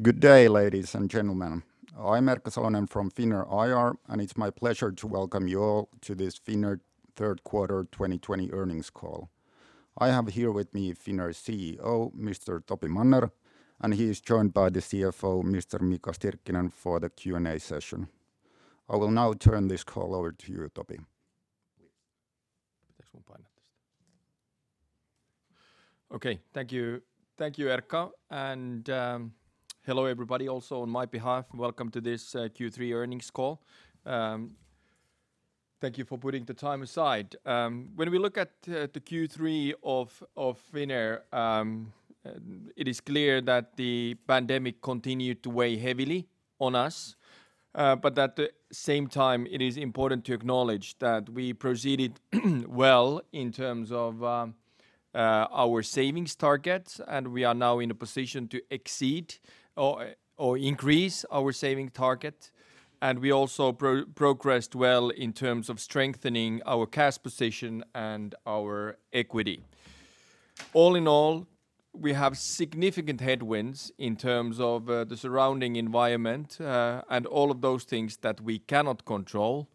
Good day, ladies and gentlemen. I'm Erkka Salonen from Finnair IR, and it's my pleasure to welcome you all to this Finnair third quarter 2020 earnings call. I have here with me Finnair's CEO, Mr. Topi Manner, and he is joined by the CFO, Mr. Mika Stirkkinen, for the Q&A session. I will now turn this call over to you, Topi. Please. Okay. Thank you, Erkka, hello everybody also on my behalf. Welcome to this Q3 earnings call. Thank you for putting the time aside. When we look at the Q3 of Finnair, it is clear that the pandemic continued to weigh heavily on us. At the same time, it is important to acknowledge that we proceeded well in terms of our savings targets, we are now in a position to exceed or increase our saving target. We also progressed well in terms of strengthening our cash position and our equity. All in all, we have significant headwinds in terms of the surrounding environment, all of those things that we cannot control.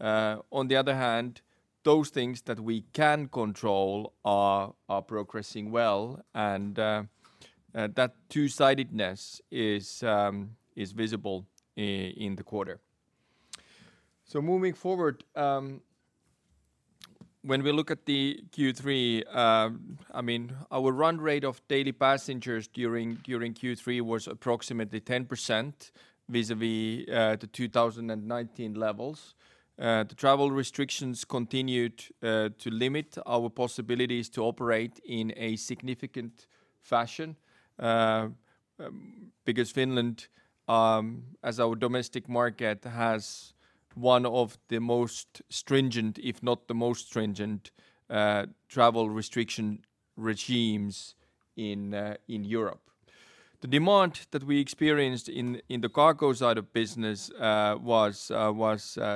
On the other hand, those things that we can control are progressing well and that two-sidedness is visible in the quarter. Moving forward, when we look at the Q3, our run rate of daily passengers during Q3 was approximately 10% vis-a-vis the 2019 levels. The travel restrictions continued to limit our possibilities to operate in a significant fashion because Finland, as our domestic market, has one of the most stringent, if not the most stringent, travel restriction regimes in Europe. The demand that we experienced in the cargo side of business was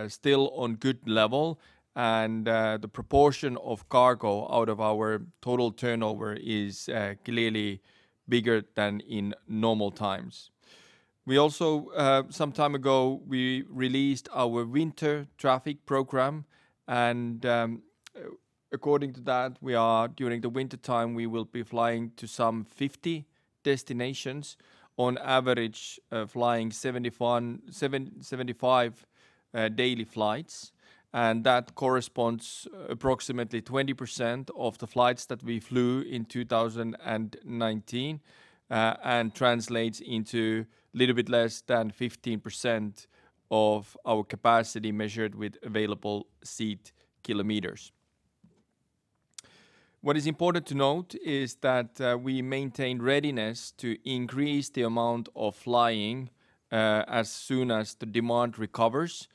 still on good level and the proportion of cargo out of our total turnover is clearly bigger than in normal times. Also, some time ago, we released our winter traffic program, and according to that, during the winter time, we will be flying to some 50 destinations, on average flying 75 daily flights. That corresponds approximately 20% of the flights that we flew in 2019, and translates into a little bit less than 15% of our capacity measured with available seat kilometers. What is important to note is that we maintain readiness to increase the amount of flying as soon as the demand recovers,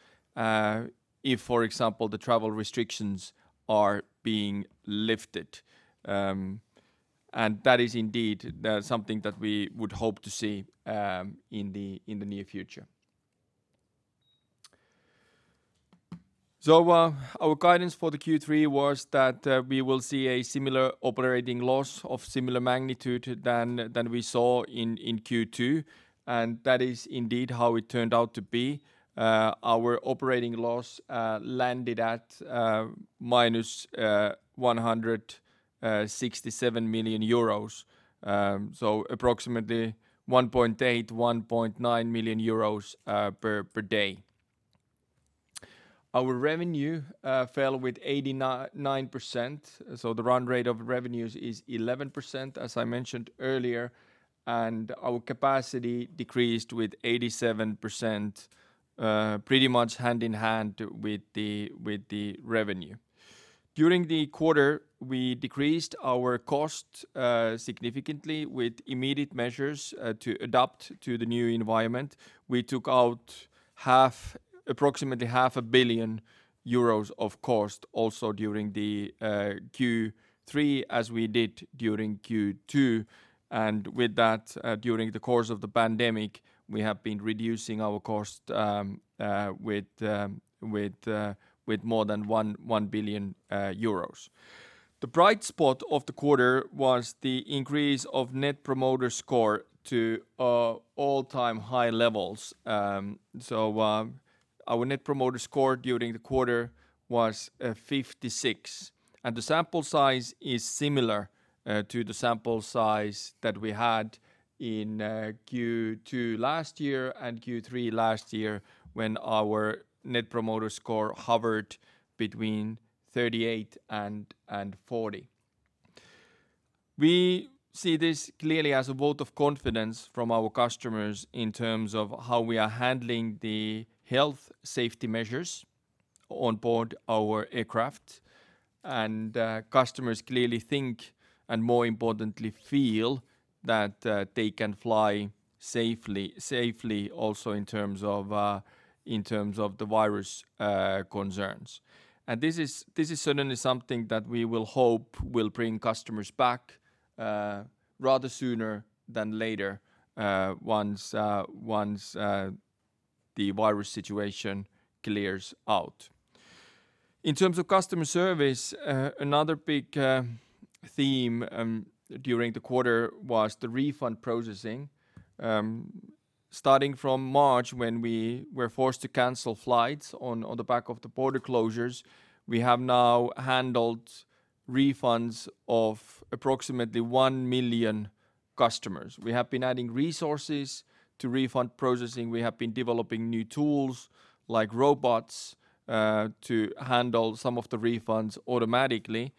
if, for example, the travel restrictions are being lifted. That is indeed something that we would hope to see in the near future. Our guidance for the Q3 was that we will see a similar operating loss of similar magnitude than we saw in Q2, and that is indeed how it turned out to be. Our operating loss landed at -167 million euros, so approximately 1.8 million, 1.9 million euros per day. Our revenue fell with 89%, so the run rate of revenues is 11%, as I mentioned earlier. Our capacity decreased with 87%, pretty much hand-in-hand with the revenue. During the quarter, we decreased our costs significantly with immediate measures to adapt to the new environment. We took out approximately 500 million euros of costs also during the Q3, as we did during Q2, and with that, during the course of the pandemic, we have been reducing our costs with more than 1 billion euros. The bright spot of the quarter was the increase of net promoter score to all-time high levels. Our net promoter score during the quarter was 56, and the sample size is similar to the sample size that we had in Q2 last year and Q3 last year when our net promoter score hovered between 38 and 40. We see this clearly as a vote of confidence from our customers in terms of how we are handling the health safety measures on board our aircraft. Customers clearly think, and more importantly, feel that they can fly safely also in terms of the virus concerns. This is certainly something that we will hope will bring customers back rather sooner than later once the virus situation clears out. In terms of customer service, another big theme during the quarter was the refund processing. Starting from March, when we were forced to cancel flights on the back of the border closures, we have now handled refunds of approximately 1 million customers. We have been adding resources to refund processing. We have been developing new tools like robots to handle some of the refunds automatically,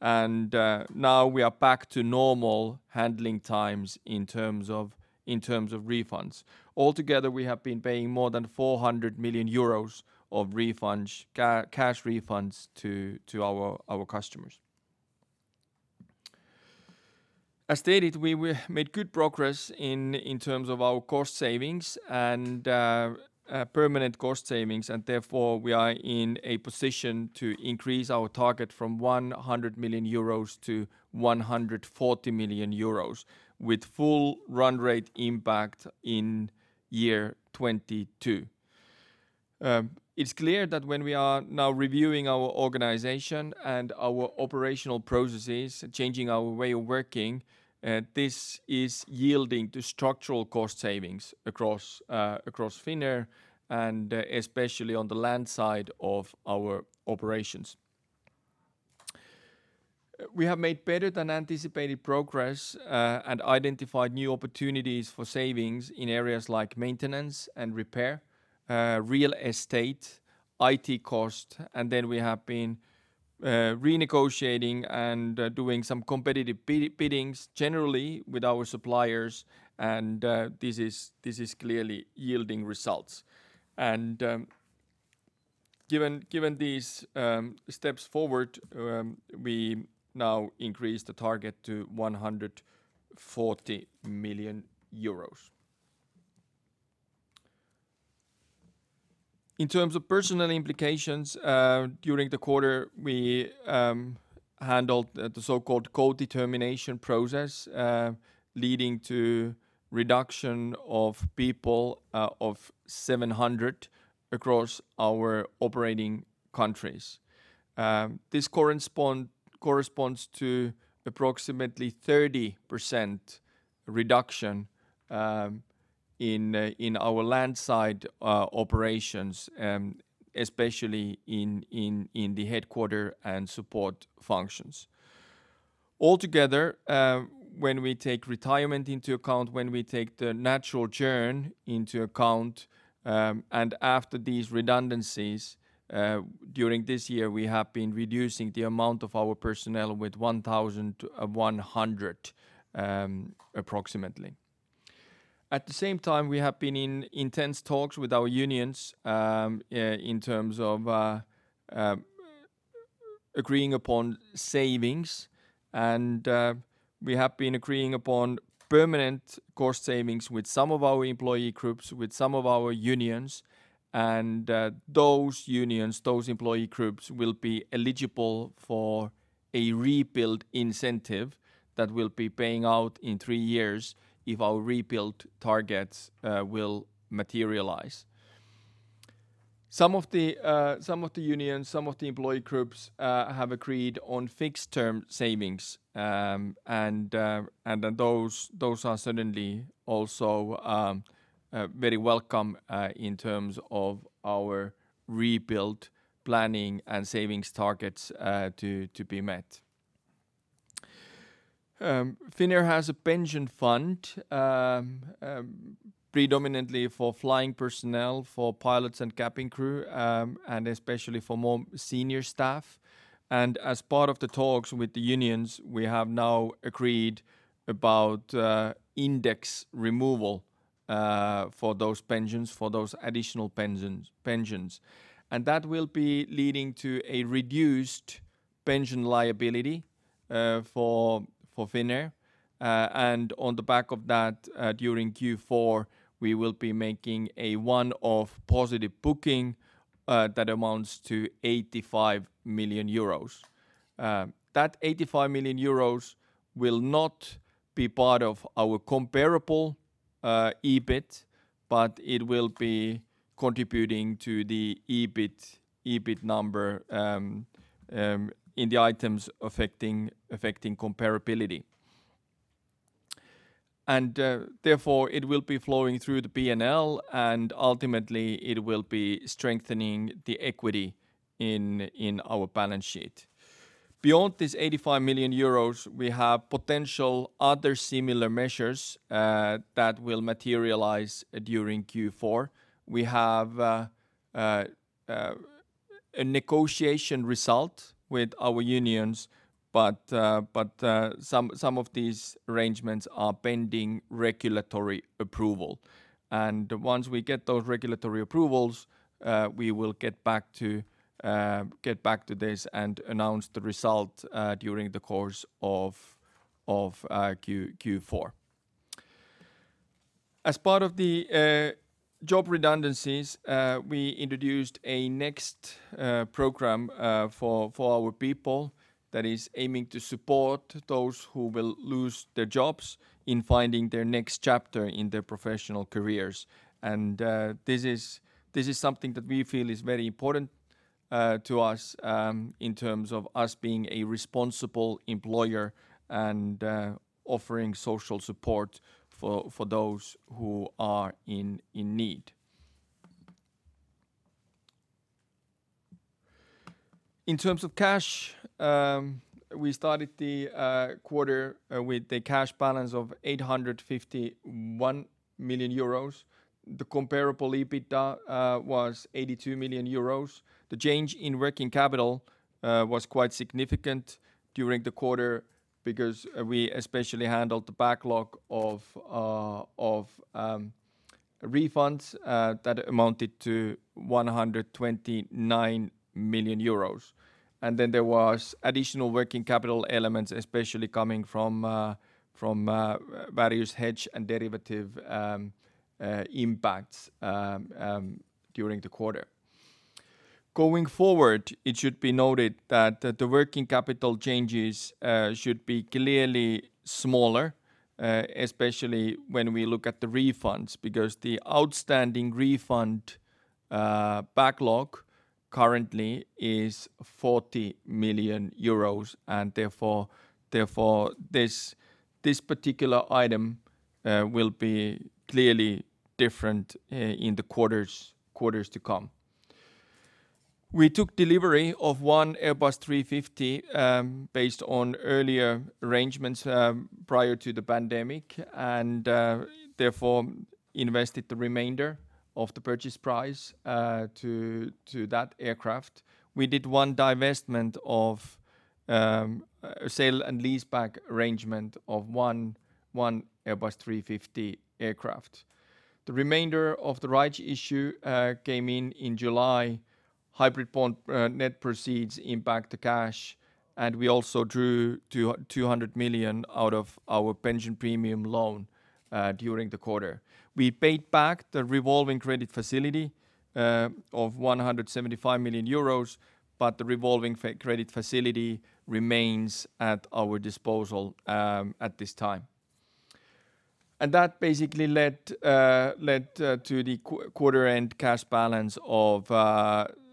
and now we are back to normal handling times in terms of refunds. Altogether, we have been paying more than 400 million euros of cash refunds to our customers. As stated, we made good progress in terms of our cost savings and permanent cost savings, and therefore, we are in a position to increase our target from 100 million-140 million euros with full run rate impact in year 2022. It's clear that when we are now reviewing our organization and our operational processes, changing our way of working, this is yielding to structural cost savings across Finnair and especially on the land side of our operations. We have made better than anticipated progress and identified new opportunities for savings in areas like maintenance and repair, real estate, IT cost, and then we have been renegotiating and doing some competitive biddings generally with our suppliers, and this is clearly yielding results. Given these steps forward, we now increase the target to 140 million euros. In terms of personnel implications, during the quarter, we handled the so-called co-determination process leading to reduction of people of 700 across our operating countries. This corresponds to approximately 30% reduction in our land side operations, especially in the headquarters and support functions. Altogether, when we take retirement into account, when we take the natural churn into account, and after these redundancies during this year, we have been reducing the amount of our personnel with 1,100 approximately. At the same time, we have been in intense talks with our unions in terms of agreeing upon savings. We have been agreeing upon permanent cost savings with some of our employee groups, with some of our unions, and those unions, those employee groups will be eligible for a rebuild incentive that will be paying out in three years if our rebuild targets will materialize. Some of the unions, some of the employee groups have agreed on fixed-term savings. Those are certainly also very welcome in terms of our rebuild planning and savings targets to be met. Finnair has a pension fund predominantly for flying personnel, for pilots and cabin crew, especially for more senior staff. As part of the talks with the unions, we have now agreed about index removal for those pensions, for those additional pensions. That will be leading to a reduced pension liability for Finnair. On the back of that, during Q4, we will be making a one-off positive booking that amounts to 85 million euros. That 85 million euros will not be part of our comparable EBIT, but it will be contributing to the EBIT number in the items affecting comparability. Therefore, it will be flowing through the P&L, and ultimately, it will be strengthening the equity in our balance sheet. Beyond this 85 million euros, we have potential other similar measures that will materialize during Q4. We have a negotiation result with our unions, but some of these arrangements are pending regulatory approval. Once we get those regulatory approvals, we will get back to this and announce the result during the course of Q4. As part of the job redundancies, we introduced a next program for our people that is aiming to support those who will lose their jobs in finding their next chapter in their professional careers. This is something that we feel is very important to us in terms of us being a responsible employer and offering social support for those who are in need. In terms of cash, we started the quarter with a cash balance of 851 million euros. The comparable EBITDA was 82 million euros. The change in working capital was quite significant during the quarter because we especially handled the backlog of refunds that amounted to 129 million euros. There was additional working capital elements, especially coming from various hedge and derivative impacts during the quarter. Going forward, it should be noted that the working capital changes should be clearly smaller, especially when we look at the refunds, because the outstanding refund backlog currently is 40 million euros and therefore, this particular item will be clearly different in the quarters to come. We took delivery of one Airbus A350 based on earlier arrangements prior to the pandemic and therefore invested the remainder of the purchase price to that aircraft. We did one divestment of sale and leaseback arrangement of one Airbus A350 aircraft. The remainder of the rights issue came in in July. Hybrid bond net proceeds impact the cash, and we also drew 200 million out of our pension premium loan during the quarter. We paid back the revolving credit facility of 175 million euros, but the revolving credit facility remains at our disposal at this time. That basically led to the quarter-end cash balance of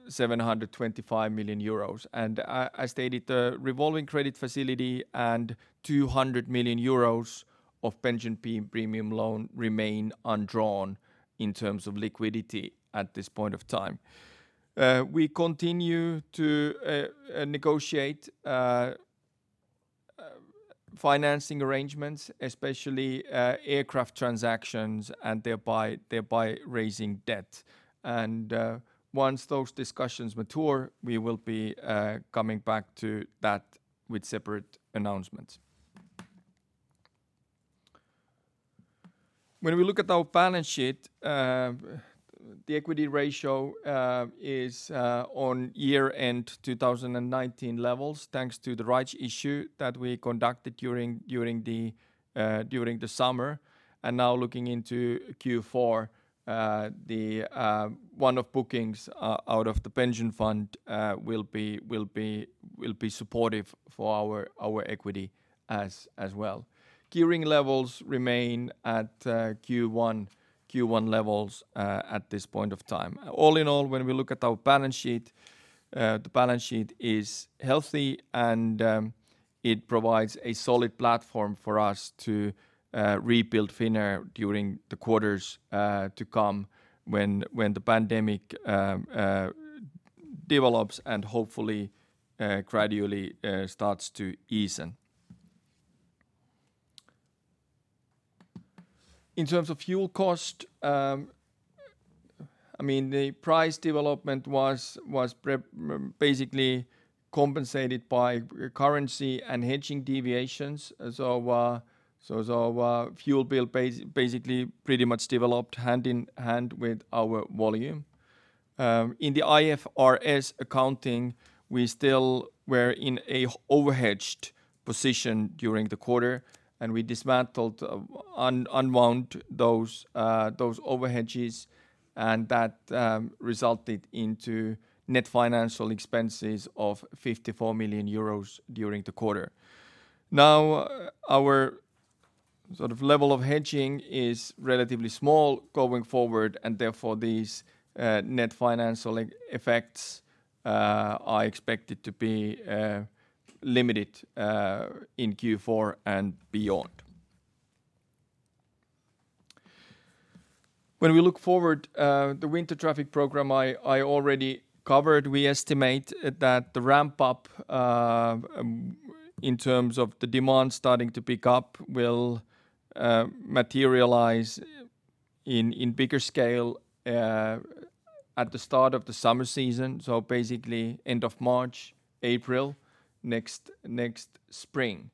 725 million euros. I stated the revolving credit facility and 200 million euros of pension premium loan remain undrawn in terms of liquidity at this point of time. We continue to negotiate financing arrangements, especially aircraft transactions and thereby raising debt. Once those discussions mature, we will be coming back to that with separate announcements. When we look at our balance sheet, the equity ratio is on year-end 2019 levels, thanks to the rights issue that we conducted during the summer. Now looking into Q4, one of bookings out of the pension fund will be supportive for our equity as well. Gearing levels remain at Q1 levels at this point of time. All in all, when we look at our balance sheet, the balance sheet is healthy, and it provides a solid platform for us to rebuild Finnair during the quarters to come when the pandemic develops and hopefully gradually starts to ease. In terms of fuel cost, the price development was basically compensated by currency and hedging deviations. Our fuel bill basically pretty much developed hand in hand with our volume. In the IFRS accounting, we still were in an over-hedged position during the quarter, and we dismantled, unwound those over-hedges and that resulted into net financial expenses of 54 million euros during the quarter. Our level of hedging is relatively small going forward, and therefore, these net financial effects are expected to be limited in Q4 and beyond. When we look forward, the winter traffic program I already covered. We estimate that the ramp-up in terms of the demand starting to pick up will materialize in bigger scale at the start of the summer season. Basically end of March, April next spring.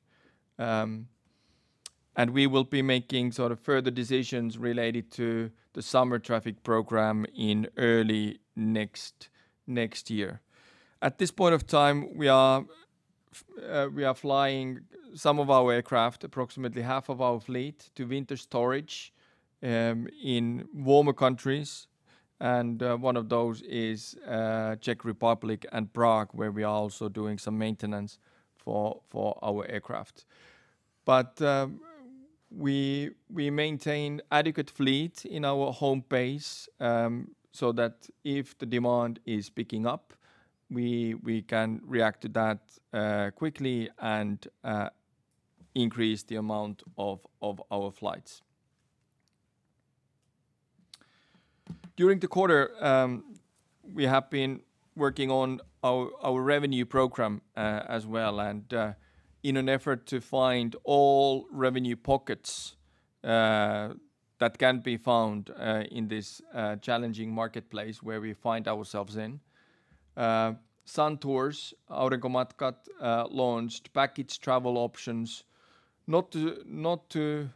We will be making further decisions related to the summer traffic program in early next year. At this point of time, we are flying some of our aircraft, approximately half of our fleet, to winter storage in warmer countries. One of those is Czech Republic and Prague, where we are also doing some maintenance for our aircraft. We maintain adequate fleet in our home base so that if the demand is picking up, we can react to that quickly and increase the amount of our flights. During the quarter, we have been working on our revenue program as well. In an effort to find all revenue pockets that can be found in this challenging marketplace where we find ourselves in. Suntours Aurinkomatkat launched package travel options, not to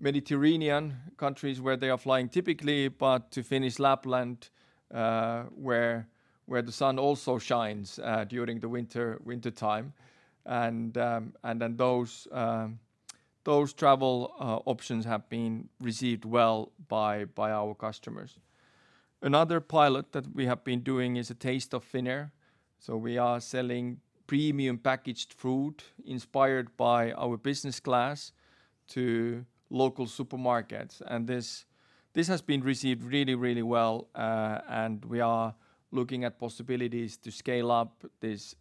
Mediterranean countries where they are flying typically, but to Finnish Lapland where the sun also shines during the winter time. Those travel options have been received well by our customers. Another pilot that we have been doing is a Taste of Finnair. We are selling premium packaged food inspired by our business class to local supermarkets. This has been received really well. We are looking at possibilities to scale up this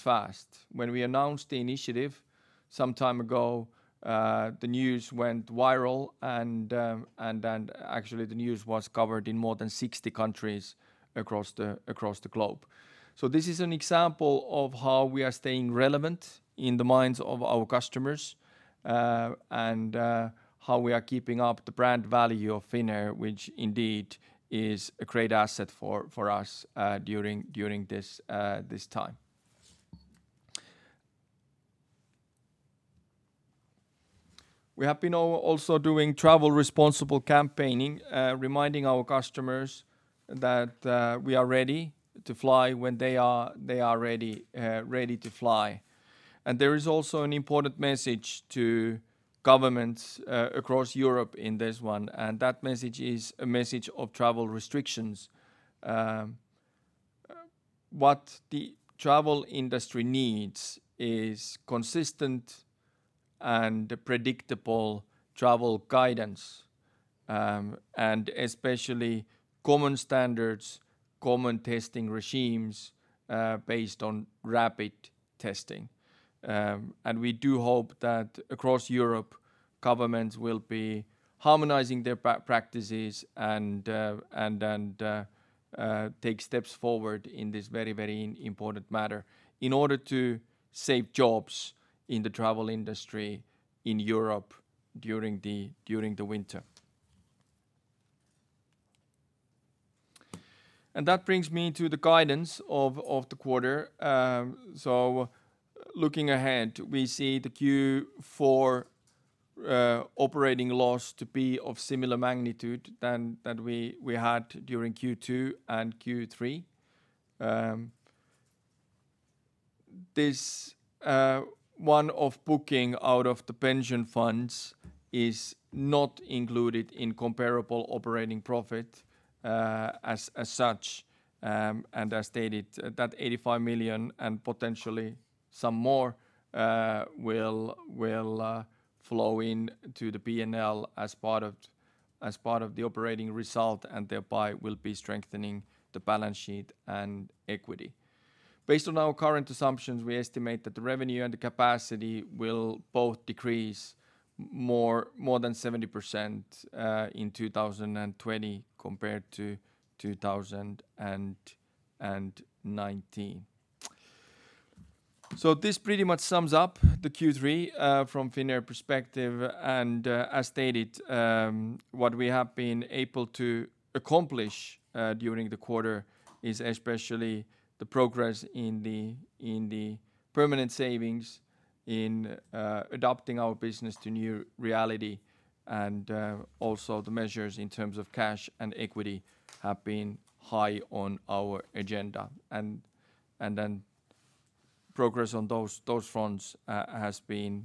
fast. When we announced the initiative some time ago, the news went viral. Actually, the news was covered in more than 60 countries across the globe. This is an example of how we are staying relevant in the minds of our customers, and how we are keeping up the brand value of Finnair, which indeed is a great asset for us during this time. We have been also doing travel responsible campaigning, reminding our customers that we are ready to fly when they are ready to fly. There is also an important message to governments across Europe in this one, and that message is a message of travel restrictions. What the travel industry needs is consistent and predictable travel guidance, and especially common standards, common testing regimes based on rapid testing. We do hope that across Europe, governments will be harmonizing their practices and take steps forward in this very important matter in order to save jobs in the travel industry in Europe during the winter. That brings me to the guidance of the quarter. Looking ahead, we see the Q4 operating loss to be of similar magnitude than we had during Q2 and Q3. This one-off booking out of the pension funds is not included in comparable operating profit as such, and as stated that 85 million and potentially some more will flow in to the P&L as part of the operating result, and thereby will be strengthening the balance sheet and equity. Based on our current assumptions, we estimate that the revenue and the capacity will both decrease more than 70% in 2020 compared to 2019. This pretty much sums up the Q3 from Finnair perspective. As stated what we have been able to accomplish during the quarter is especially the progress in the permanent savings in adapting our business to new reality, and also the measures in terms of cash and equity have been high on our agenda. Progress on those fronts has been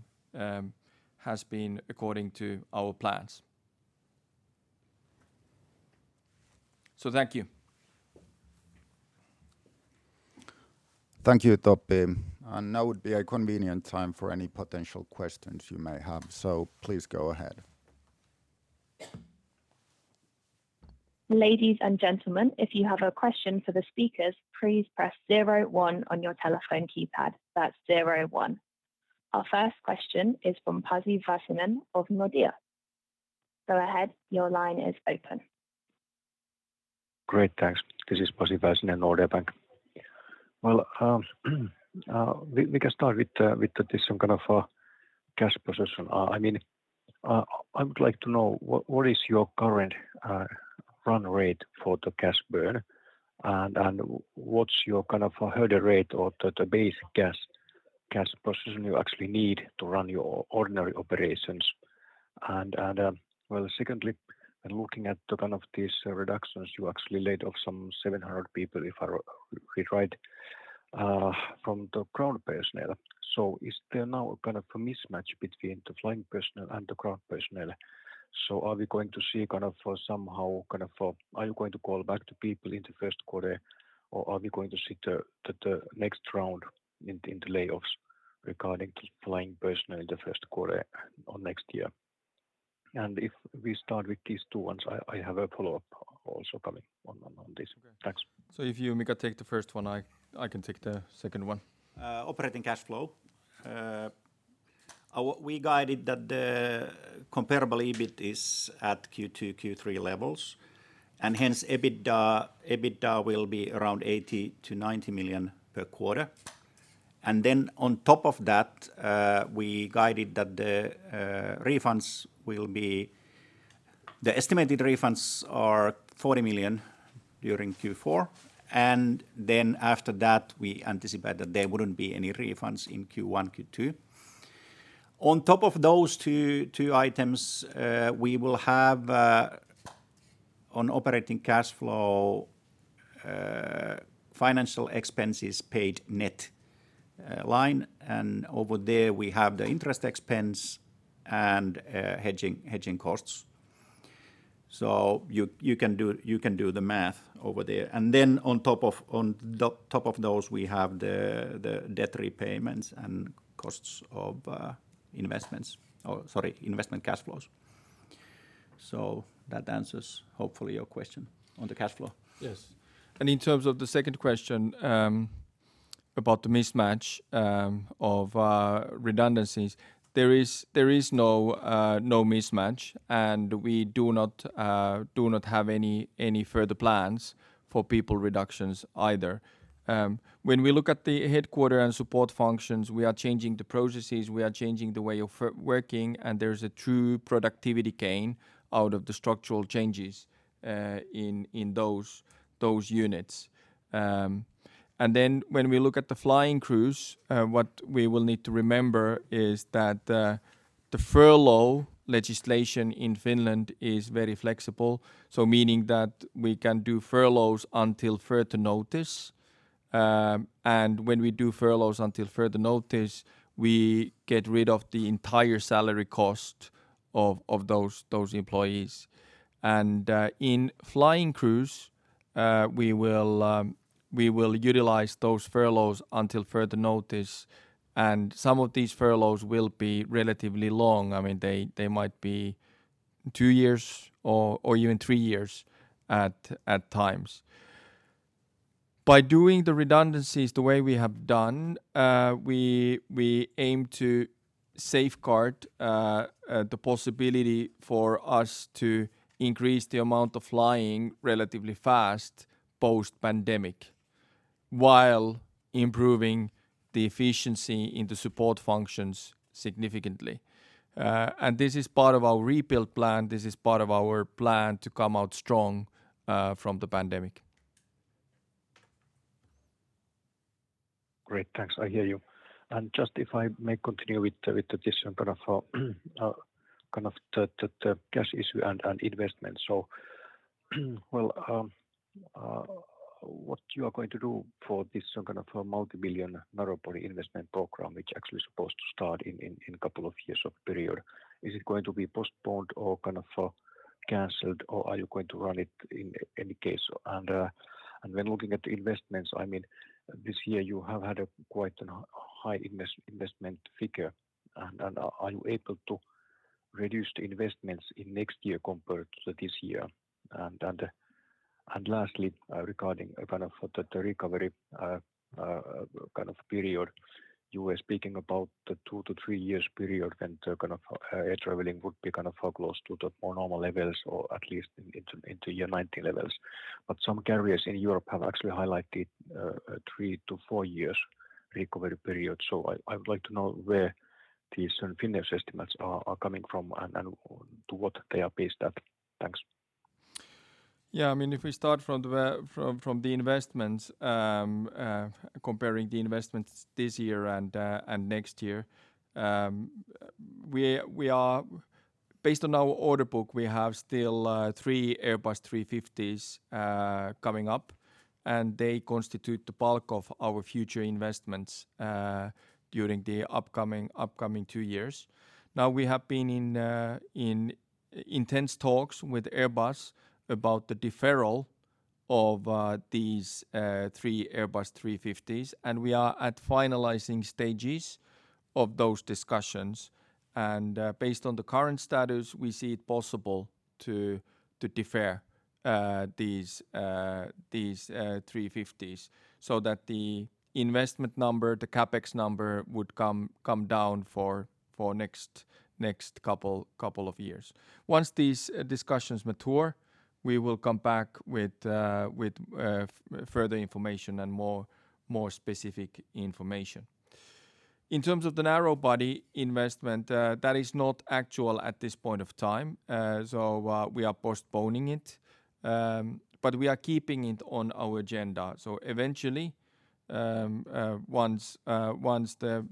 according to our plans. Thank you. Thank you, Topi. Now would be a convenient time for any potential questions you may have. Please go ahead. Ladies and gentlemen, if you have a question for the speakers, please press zero one on your telephone keypad. That's zero one. Our first question is from Pasi Väisänen of Nordea. Go ahead, your line is open. Great, thanks. This is Pasi Väisänen, Nordea Markets. Well, we can start with this kind of cash position. I would like to know what is your current run rate for the cash burn, and what's your kind of hurdle rate or the base cash position you actually need to run your ordinary operations? Well secondly, in looking at the kind of these reductions, you actually laid off some 700 people if I read right from the ground personnel. Is there now a kind of a mismatch between the flying personnel and the ground personnel? Are we going to see, are you going to call back the people in the first quarter, or are we going to see the next round in the layoffs regarding flying personnel in the first quarter on next year? If we start with these two ones, I have a follow-up also coming on this. Thanks. If you, Mika, take the first one, I can take the second one. Operating cash flow. We guided that the comparable EBIT is at Q2, Q3 levels, and hence EBITDA will be around 80 million-90 million per quarter. On top of that, we guided that the estimated refunds are 40 million during Q4, and then after that, we anticipate that there wouldn't be any refunds in Q1, Q2. On top of those two items, we will have on operating cash flow, financial expenses paid net line, and over there we have the interest expense and hedging costs. You can do the math over there. On top of those, we have the debt repayments and costs of investment cash flows. That answers hopefully your question on the cash flow. Yes. In terms of the second question about the mismatch of redundancies, there is no mismatch, and we do not have any further plans for people reductions either. When we look at the headquarter and support functions, we are changing the processes, we are changing the way of working, and there's a true productivity gain out of the structural changes in those units. When we look at the flying crews, what we will need to remember is that the furlough legislation in Finland is very flexible. Meaning that we can do furloughs until further notice. When we do furloughs until further notice, we get rid of the entire salary cost of those employees. In flying crews, we will utilize those furloughs until further notice, and some of these furloughs will be relatively long. They might be two years or even three years at times. By doing the redundancies the way we have done, we aim to safeguard the possibility for us to increase the amount of flying relatively fast post-pandemic while improving the efficiency in the support functions significantly. This is part of our rebuild plan. This is part of our plan to come out strong from the pandemic. Great. Thanks. I hear you. Just if I may continue with this kind of the cash issue and investment. Well, what you are going to do for this kind of multibillion narrow body investment program, which actually is supposed to start in couple of years of period? Is it going to be postponed or kind of canceled, or are you going to run it in any case? When looking at the investments, this year you have had a quite high investment figure. Are you able to reduce the investments in next year compared to this year? Lastly, regarding the recovery kind of period, you were speaking about the two to three years period when the kind of air traveling would be kind of close to the more normal levels or at least into year 2019 levels. Some carriers in Europe have actually highlighted a three to four years recovery period. I would like to know where these Finnair estimates are coming from and to what they are based at. Thanks. Yeah, I mean, if we start from the investments, comparing the investments this year and next year, based on our order book, we have still three Airbus A350s coming up, and they constitute the bulk of our future investments during the upcoming two years. Now we have been in intense talks with Airbus about the deferral of these three Airbus A350s, and we are at finalizing stages of those discussions. Based on the current status, we see it possible to defer these A350s so that the investment number, the CapEx number would come down for next couple of years. Once these discussions mature, we will come back with further information and more specific information. In terms of the narrow body investment, that is not actual at this point of time. We are postponing it, but we are keeping it on our agenda. Eventually, once the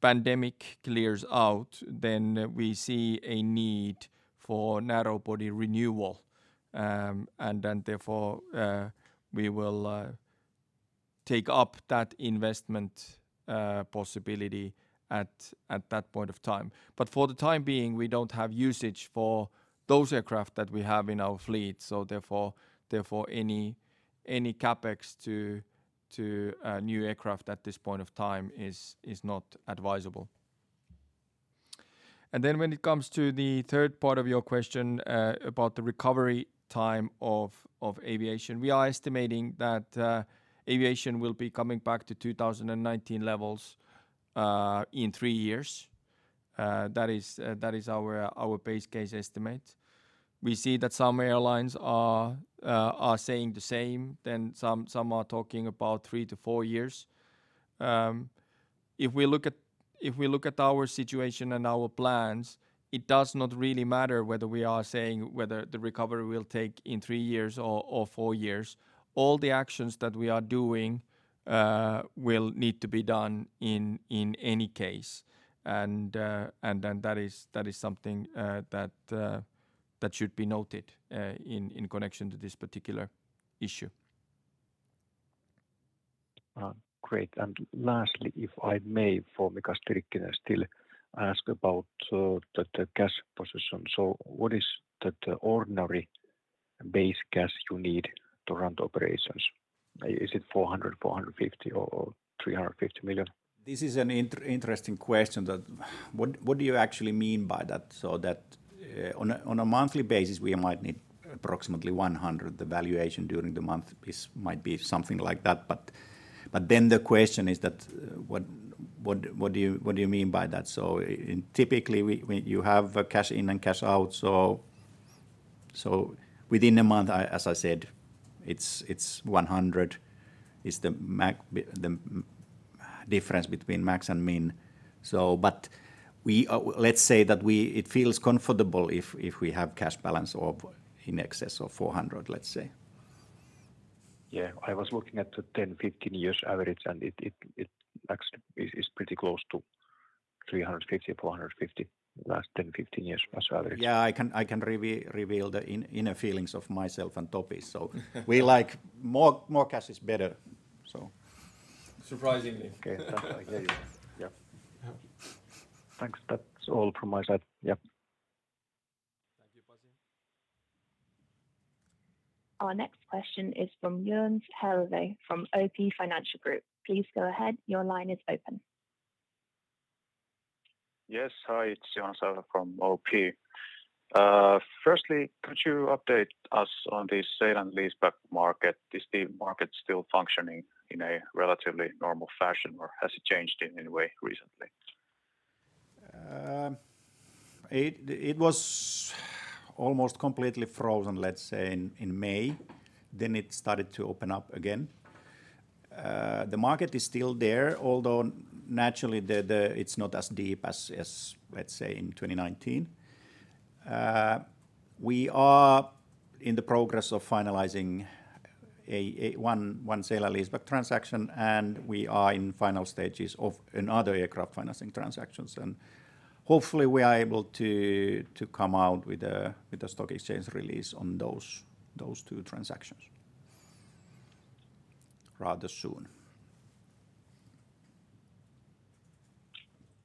pandemic clears out, then we see a need for narrow body renewal. Therefore, we will take up that investment possibility at that point of time. For the time being, we don't have usage for those aircraft that we have in our fleet. Therefore, any CapEx to new aircraft at this point of time is not advisable. When it comes to the third part of your question about the recovery time of aviation, we are estimating that aviation will be coming back to 2019 levels in three years. That is our base case estimate. We see that some airlines are saying the same. Some are talking about three to four years. If we look at our situation and our plans, it does not really matter whether we are saying whether the recovery will take in three years or four years. All the actions that we are doing will need to be done in any case. That is something that should be noted in connection to this particular issue. Great. Lastly, if I may, for Mika Stirkkinen still ask about the cash position. What is the ordinary base cash you need to run the operations? Is it 400 million, 450 million, or 350 million? This is an interesting question that what do you actually mean by that? That on a monthly basis, we might need approximately 100 million. The valuation during the month might be something like that. The question is that what do you mean by that? Typically, you have cash in and cash out. Within a month, as I said, it's 100 million is the difference between max and min. Let's say that it feels comfortable if we have cash balance in excess of 400 million, let's say. Yeah. I was looking at the 10, 15 years average, and it actually is pretty close to 350 million, 450 million last 10, 15 years average. Yeah, I can reveal the inner feelings of myself and Topi. We like more cash is better. Surprisingly. Okay. I hear you. Yeah. Yeah. Thanks. That's all from my side. Yeah. Thank you, Pasi. Our next question is from Joonas Häyhä from OP Financial Group. Please go ahead. Your line is open. Yes. Hi, it's Joonas Häyhä from OP. Firstly, could you update us on the sale and leaseback market? Is the market still functioning in a relatively normal fashion, or has it changed in any way recently? It was almost completely frozen, let's say, in May. It started to open up again. The market is still there, although naturally it's not as deep as, let's say, in 2019. We are in the progress of finalizing one sale and leaseback transaction, and we are in final stages of another aircraft financing transactions. Hopefully, we are able to come out with a stock exchange release on those two transactions rather soon.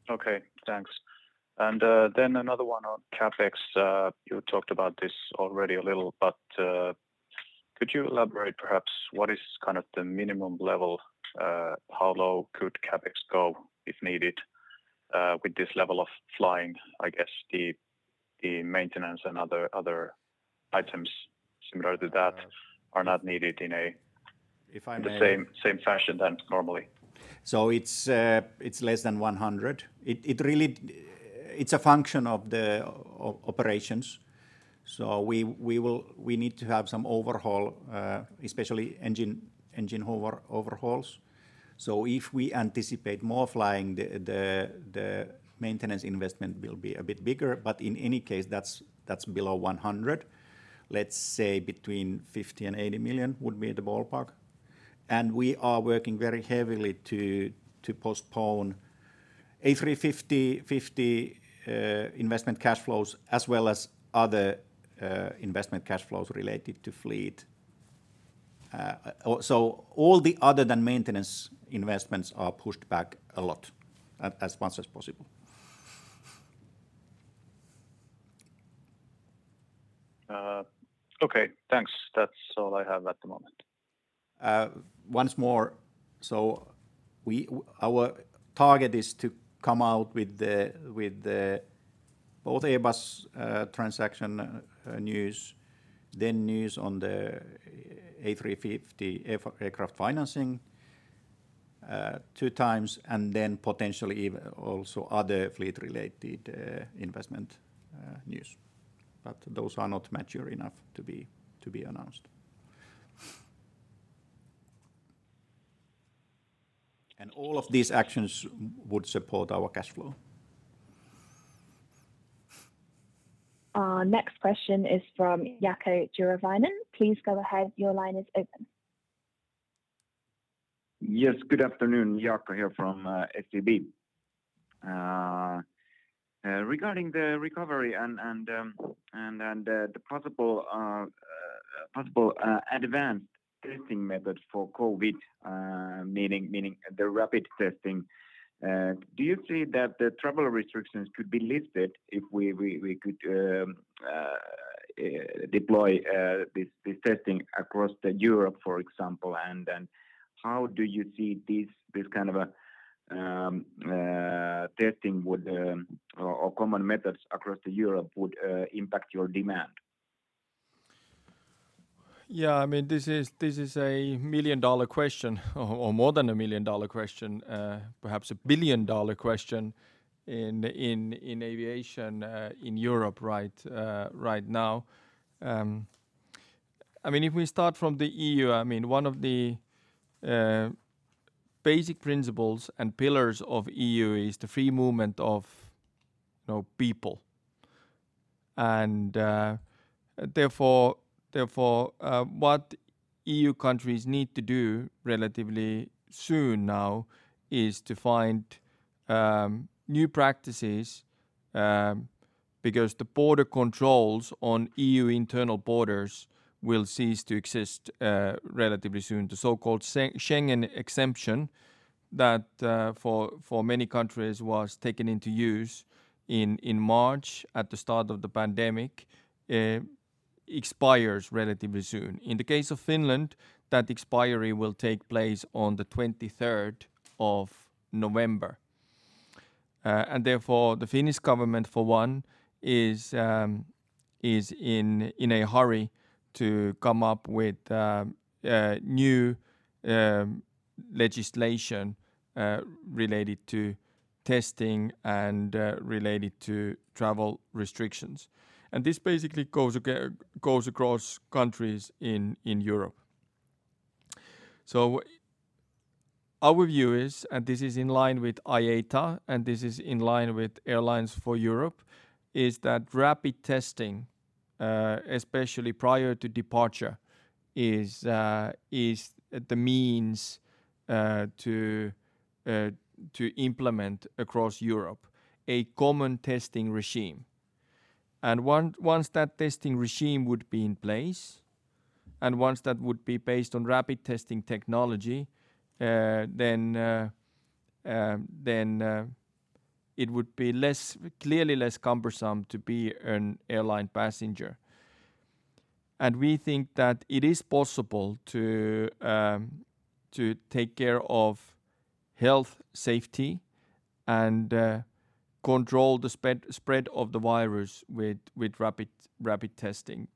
Okay, thanks. Another one on CapEx. You talked about this already a little, but could you elaborate perhaps what is kind of the minimum level? How low could CapEx go if needed with this level of flying? I guess the maintenance and other items similar to that are not needed in the same fashion than normally. It's less than 100 million. It's a function of the operations. We need to have some overhaul, especially engine overhauls. If we anticipate more flying, the maintenance investment will be a bit bigger. In any case, that's below 100 million. Let's say between 50 million and 80 million would be the ballpark. We are working very heavily to postpone A350 investment cash flows as well as other investment cash flows related to fleet. All the other than maintenance investments are pushed back a lot as much as possible. Okay, thanks. That's all I have at the moment. Once more, our target is to come out with both Airbus transaction news, then news on the A350 aircraft financing 2x, and then potentially even also other fleet-related investment news. Those are not mature enough to be announced. All of these actions would support our cash flow. Our next question is from Jaakko Tyrväinen. Please go ahead. Your line is open. Yes, good afternoon. Jaakko here from SEB Regarding the recovery and the possible advanced testing methods for COVID, meaning the rapid testing, do you see that the travel restrictions could be lifted if we could deploy this testing across Europe, for example? How do you see this kind of testing, or common methods across Europe, would impact your demand? Yeah. This is a million-dollar question, or more than a million-dollar question, perhaps a billion-dollar question in aviation in Europe right now. If we start from the E.U., one of the basic principles and pillars of E.U. is the free movement of people. Therefore, what E.U. countries need to do relatively soon now is to find new practices, because the border controls on E.U. internal borders will cease to exist relatively soon. The so-called Schengen exemption that for many countries was taken into use in March at the start of the pandemic, expires relatively soon. In the case of Finland, that expiry will take place on the 23rd of November. Therefore, the Finnish government, for one, is in a hurry to come up with new legislation related to testing and related to travel restrictions. This basically goes across countries in Europe. Our view is, and this is in line with IATA and this is in line with Airlines for Europe, is that rapid testing, especially prior to departure, is the means to implement across Europe a common testing regime. Once that testing regime would be in place, and once that would be based on rapid testing technology, then it would be clearly less cumbersome to be an airline passenger. We think that it is possible to take care of health safety and control the spread of the virus with rapid testing.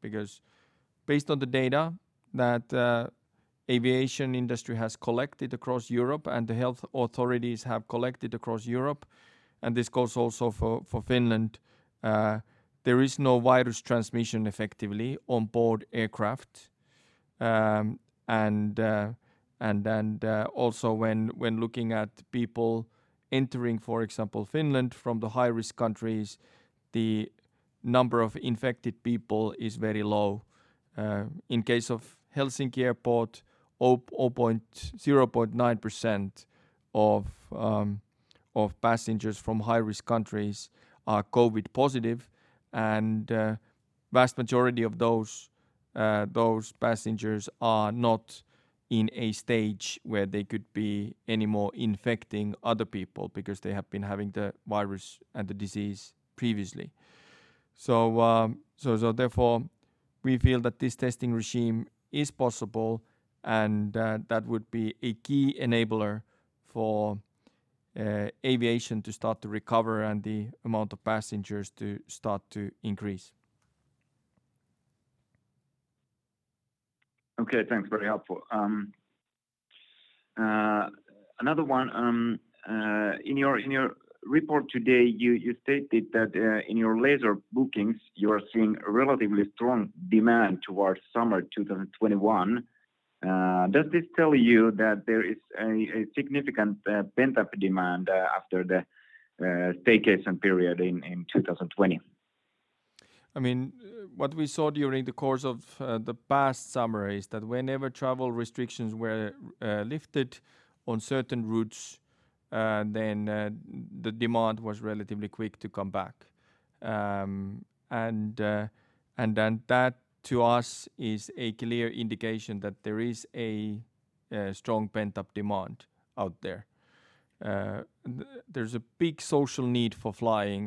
Based on the data that aviation industry has collected across Europe and the health authorities have collected across Europe, and this goes also for Finland, there is no virus transmission effectively on board aircraft. Also when looking at people entering, for example, Finland from the high-risk countries, the number of infected people is very low. In case of Helsinki Airport, 0.9% of passengers from high-risk countries are COVID positive, and vast majority of those passengers are not in a stage where they could be any more infecting other people because they have been having the virus and the disease previously. We feel that this testing regime is possible and that would be a key enabler for aviation to start to recover and the amount of passengers to start to increase. Okay, thanks. Very helpful. Another one. In your report today, you stated that in your later bookings, you are seeing relatively strong demand towards summer 2021. Does this tell you that there is a significant pent-up demand after the staycation period in 2020? What we saw during the course of the past summer is that whenever travel restrictions were lifted on certain routes, then the demand was relatively quick to come back. That to us is a clear indication that there is a strong pent-up demand out there. There's a big social need for flying.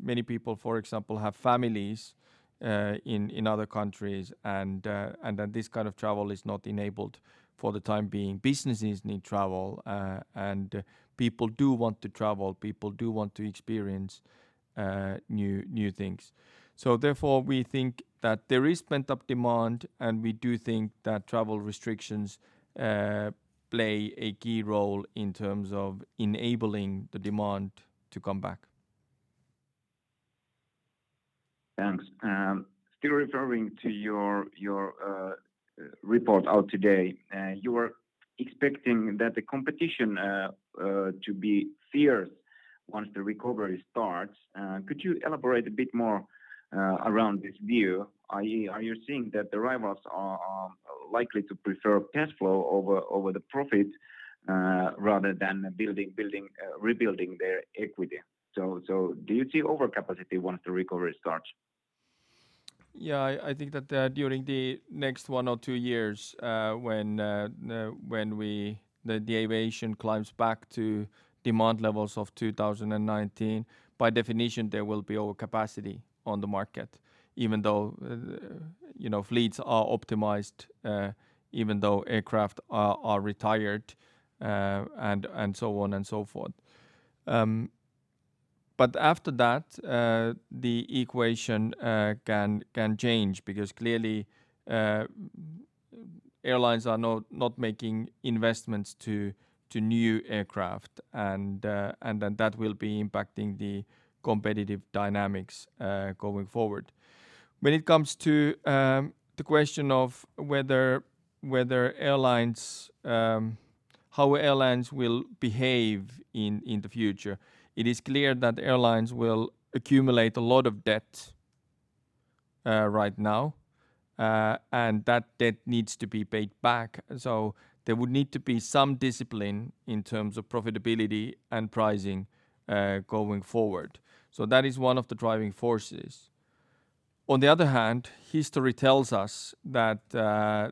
Many people, for example, have families in other countries, and then this kind of travel is not enabled for the time being. Businesses need travel, and people do want to travel. People do want to experience new things. We think that there is pent-up demand, and we do think that travel restrictions play a key role in terms of enabling the demand to come back. Thanks. Still referring to your report out today, you were expecting that the competition to be fierce once the recovery starts. Could you elaborate a bit more around this view, i.e., are you seeing that the rivals are likely to prefer cash flow over the profit, rather than rebuilding their equity? Do you see overcapacity once the recovery starts? Yeah. I think that during the next one or two years, when the aviation climbs back to demand levels of 2019, by definition, there will be overcapacity on the market, even though fleets are optimized, even though aircraft are retired, and so on and so forth. After that, the equation can change because clearly airlines are not making investments to new aircraft, and then that will be impacting the competitive dynamics going forward. When it comes to the question of how airlines will behave in the future, it is clear that airlines will accumulate a lot of debt right now, and that debt needs to be paid back. There would need to be some discipline in terms of profitability and pricing going forward. That is one of the driving forces. On the other hand, history tells us that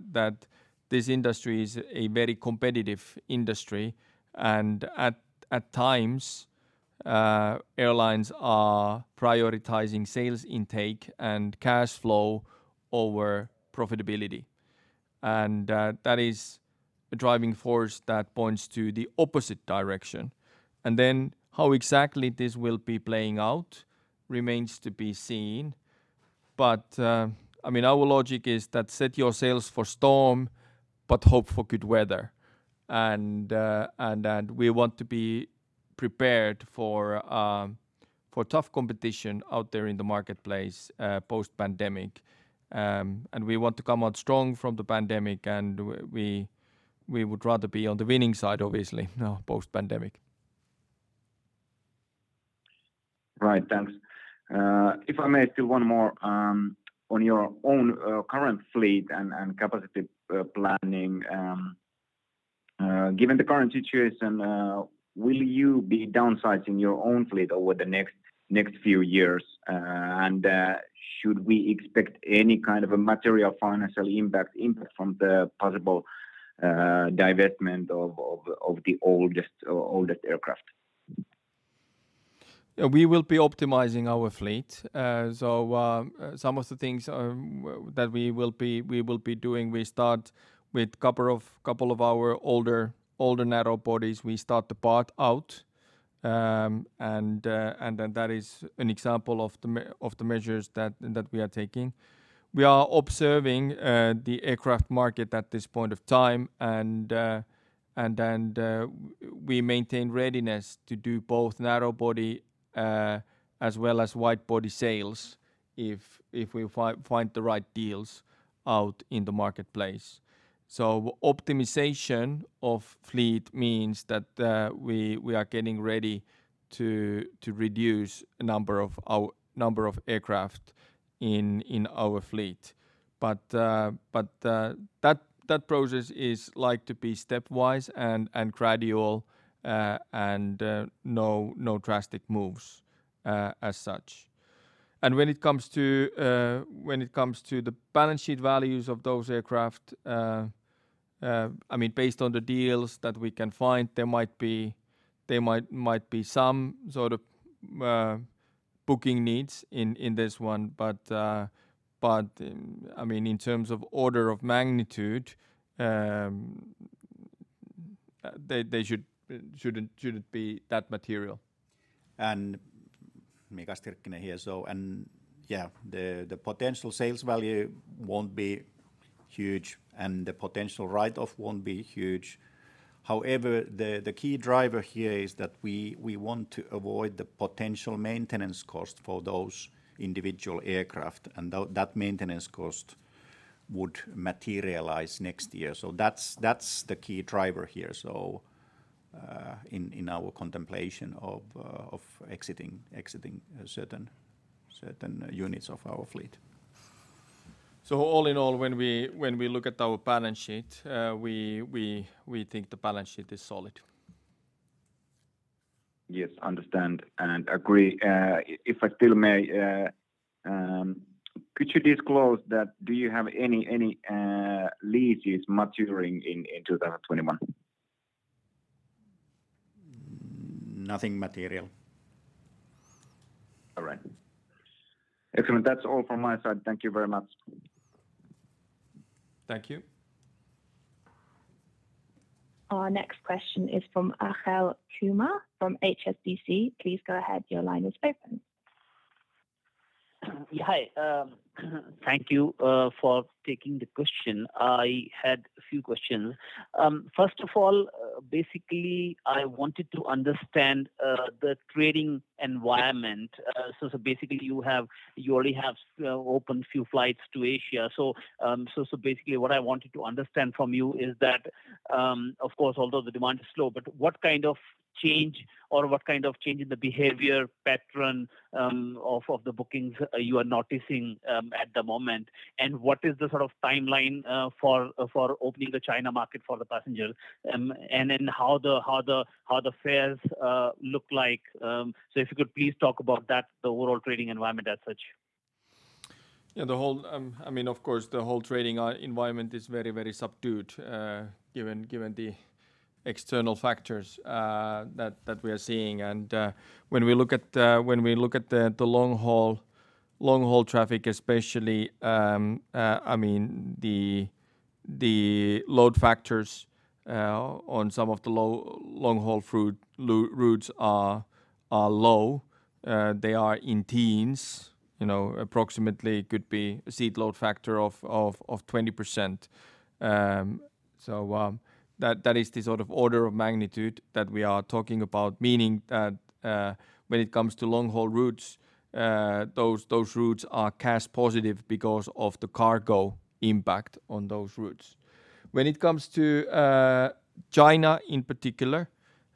this industry is a very competitive industry, and at times, airlines are prioritizing sales intake and cash flow over profitability. That is a driving force that points to the opposite direction. How exactly this will be playing out remains to be seen. Our logic is that set your sails for storm, but hope for good weather. We want to be prepared for tough competition out there in the marketplace post-pandemic. We want to come out strong from the pandemic, and we would rather be on the winning side, obviously, post-pandemic. Right. Thanks. If I may still one more on your own current fleet and capacity planning. Given the current situation, will you be downsizing your own fleet over the next few years? Should we expect any kind of a material financial impact from the possible divestment of the oldest aircraft? We will be optimizing our fleet. Some of the things that we will be doing, we start with couple of our older narrow bodies. We start to part out. That is an example of the measures that we are taking. We are observing the aircraft market at this point of time, and then we maintain readiness to do both narrow body as well as wide body sales if we find the right deals out in the marketplace. Optimization of fleet means that we are getting ready to reduce number of aircraft in our fleet. That process is likely to be stepwise and gradual, and no drastic moves as such. When it comes to the balance sheet values of those aircraft, based on the deals that we can find, there might be some sort of booking needs in this one. In terms of order of magnitude, they shouldn't be that material. Mika Stirkkinen here. Yeah, the potential sales value won't be huge, and the potential write-off won't be huge. However, the key driver here is that we want to avoid the potential maintenance cost for those individual aircraft, and that maintenance cost would materialize next year. That's the key driver here in our contemplation of exiting certain units of our fleet. All in all, when we look at our balance sheet, we think the balance sheet is solid. Yes. Understand and agree. If I still may, could you disclose that do you have any leases maturing in 2021? Nothing material. All right. Excellent. That's all from my side. Thank you very much. Thank you. Our next question is from Achal Kumar from HSBC. Please go ahead. Your line is open. Hi. Thank you for taking the question. I had a few questions. First of all, basically, I wanted to understand the trading environment. Basically, you already have opened few flights to Asia. Basically what I wanted to understand from you is that, of course, although the demand is low, but what kind of change in the behavior pattern of the bookings you are noticing at the moment, and what is the sort of timeline for opening the China market for the passengers? Then how the fares look like. If you could please talk about that, the overall trading environment as such. Yeah. Of course, the whole trading environment is very subdued given the external factors that we are seeing. When we look at the long-haul traffic especially, the load factors on some of the long-haul routes are low. They are in teens. Approximately, could be a seat load factor of 20%. That is the sort of order of magnitude that we are talking about, meaning that when it comes to long-haul routes, those routes are cash positive because of the cargo impact on those routes. When it comes to China in particular,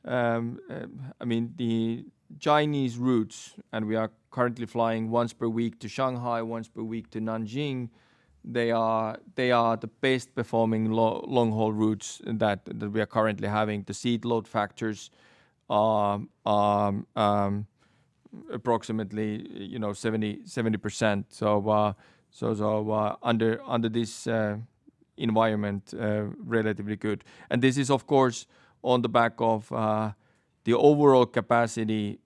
the Chinese routes, and we are currently flying once per week to Shanghai, once per week to Nanjing. They are the best performing long-haul routes that we are currently having. The seat load factors are approximately 70%. Under this environment, relatively good. This is, of course, on the back of the overall capacity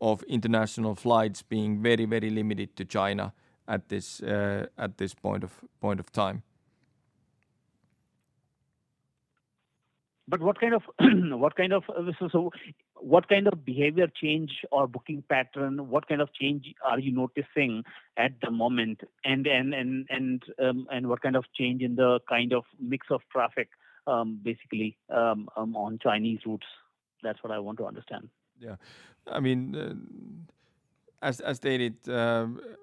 of international flights being very limited to China at this point of time. What kind of behavior change or booking pattern? What kind of change are you noticing at the moment? What kind of change in the kind of mix of traffic, basically, on Chinese routes? That's what I want to understand. Yeah. As stated,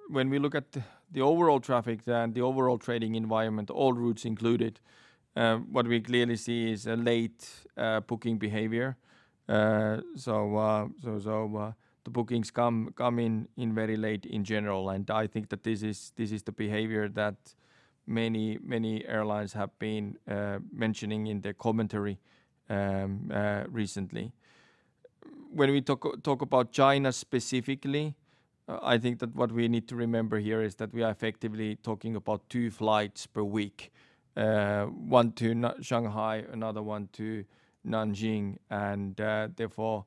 when we look at the overall traffic and the overall trading environment, all routes included, what we clearly see is a late booking behavior. The bookings come in very late in general, and I think that this is the behavior that many airlines have been mentioning in their commentary recently. When we talk about China specifically, I think that what we need to remember here is that we are effectively talking about two flights per week. One to Shanghai, another one to Nanjing, and therefore,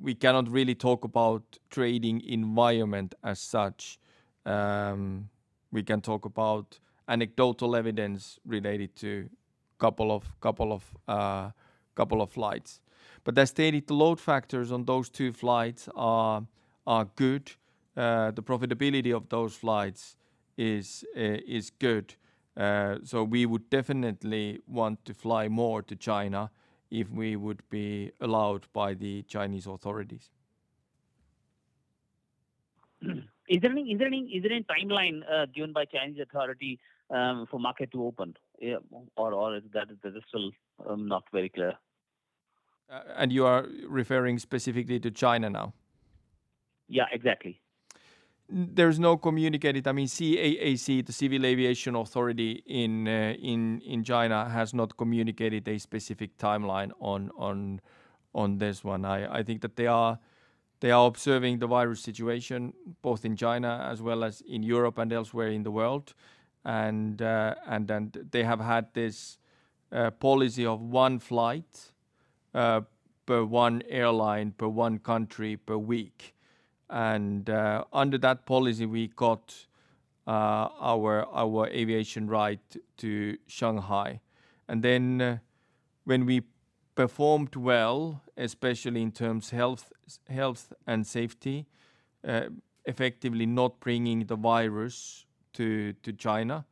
we cannot really talk about trading environment as such. We can talk about anecdotal evidence related to couple of flights. As stated, the load factors on those two flights are good. The profitability of those flights is good. We would definitely want to fly more to China if we would be allowed by the Chinese authorities. Is there any timeline given by Chinese authority for market to open? That is still not very clear? You are referring specifically to China now? Yeah, exactly. There's no communicated CAAC, the Civil Aviation Authority in China, has not communicated a specific timeline on this one. I think that they are observing the virus situation, both in China as well as in Europe and elsewhere in the world. They have had this policy of one flight per one airline, per one country per week. Under that policy, we got our aviation right to Shanghai. When we performed well, especially in terms health and safety, effectively not bringing the virus to China,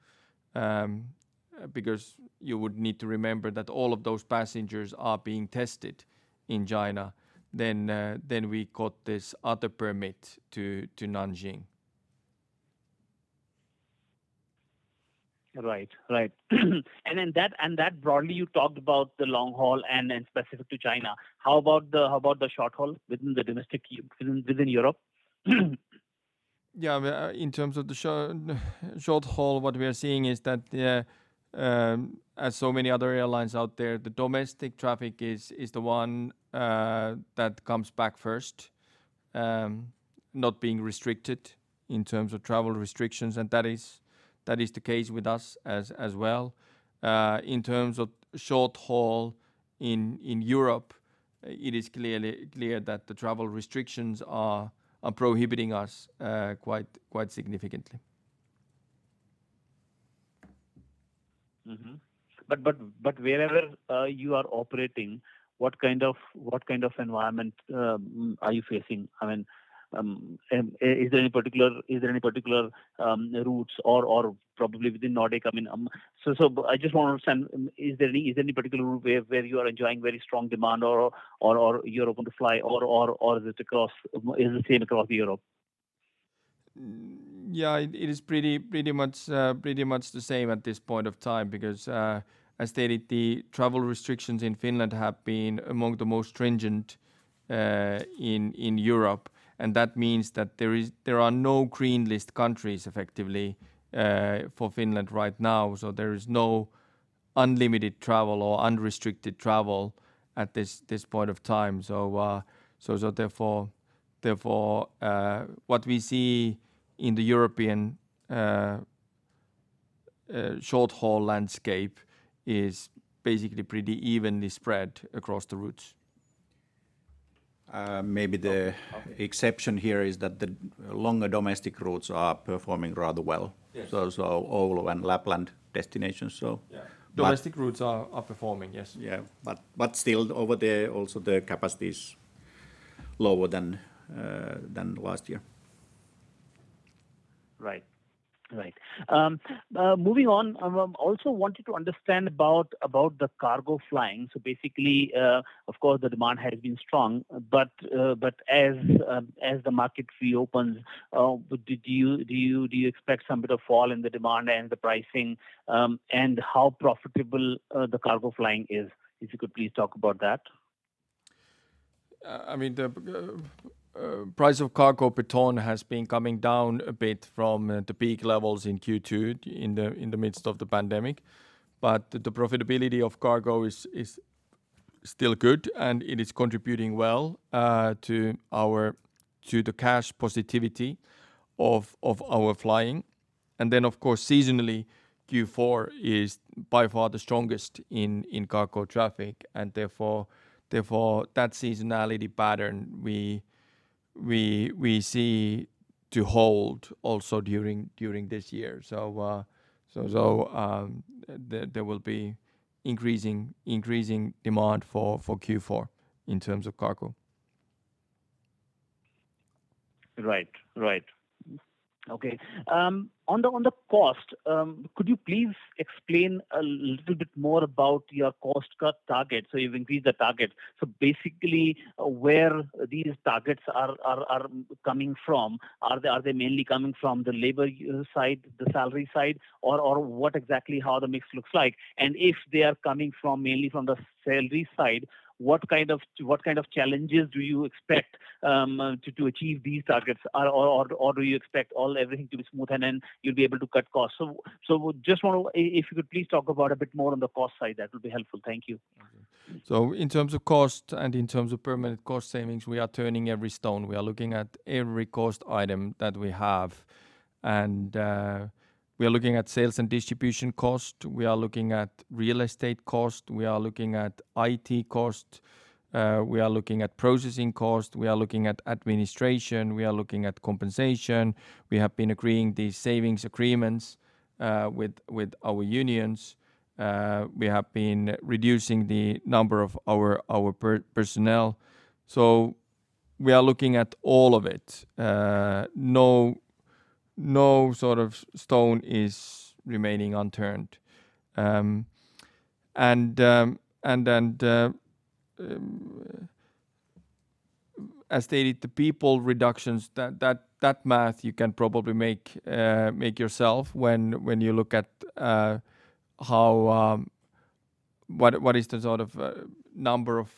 because you would need to remember that all of those passengers are being tested in China, then we got this other permit to Nanjing. Right. That broadly, you talked about the long haul and then specific to China. How about the short haul within Europe? Yeah. In terms of the short haul, what we are seeing is that as so many other airlines out there, the domestic traffic is the one that comes back first, not being restricted in terms of travel restrictions, and that is the case with us as well. In terms of short haul in Europe, it is clear that the travel restrictions are prohibiting us quite significantly. Wherever you are operating, what kind of environment are you facing? Is there any particular routes or probably within Nordic? I just want to understand, is there any particular route where you are enjoying very strong demand, or you're open to fly, or is it the same across Europe? Yeah. It is pretty much the same at this point of time because as stated, the travel restrictions in Finland have been among the most stringent in Europe, and that means that there are no green list countries effectively for Finland right now. There is no unlimited travel or unrestricted travel at this point of time. Therefore, what we see in the European short-haul landscape is basically pretty evenly spread across the routes. Maybe the exception here is that the longer domestic routes are performing rather well. Yes. Those Oulu and Lapland destinations. Yeah. Domestic routes are performing. Yes. Yeah. Still over there also the capacity is lower than last year. Right. Moving on. Also wanted to understand about the cargo flying. Basically, of course, the demand has been strong, but as the market reopens, do you expect some bit of fall in the demand and the pricing, and how profitable the cargo flying is? If you could please talk about that. The price of cargo per ton has been coming down a bit from the peak levels in Q2, in the midst of the pandemic. The profitability of cargo is still good, and it is contributing well to the cash positivity of our flying. Of course, seasonally, Q4 is by far the strongest in cargo traffic and therefore, that seasonality pattern we see to hold also during this year. There will be increasing demand for Q4 in terms of cargo. Right. Okay. On the cost, could you please explain a little bit more about your cost cut target? You've increased the target. Basically, where these targets are coming from? Are they mainly coming from the labor side, the salary side, or what exactly how the mix looks like? If they are coming mainly from the salary side, what kind of challenges do you expect to achieve these targets? Do you expect everything to be smooth and then you'll be able to cut costs? If you could please talk about a bit more on the cost side, that would be helpful. Thank you. Okay. In terms of cost and in terms of permanent cost savings, we are turning every stone. We are looking at every cost item that we have. We are looking at sales and distribution cost, we are looking at real estate cost, we are looking at IT cost, we are looking at processing cost, we are looking at administration, we are looking at compensation. We have been agreeing these savings agreements with our unions. We have been reducing the number of our personnel. We are looking at all of it. No stone is remaining unturned. As stated, the people reductions, that math you can probably make yourself when you look at what is the sort of number of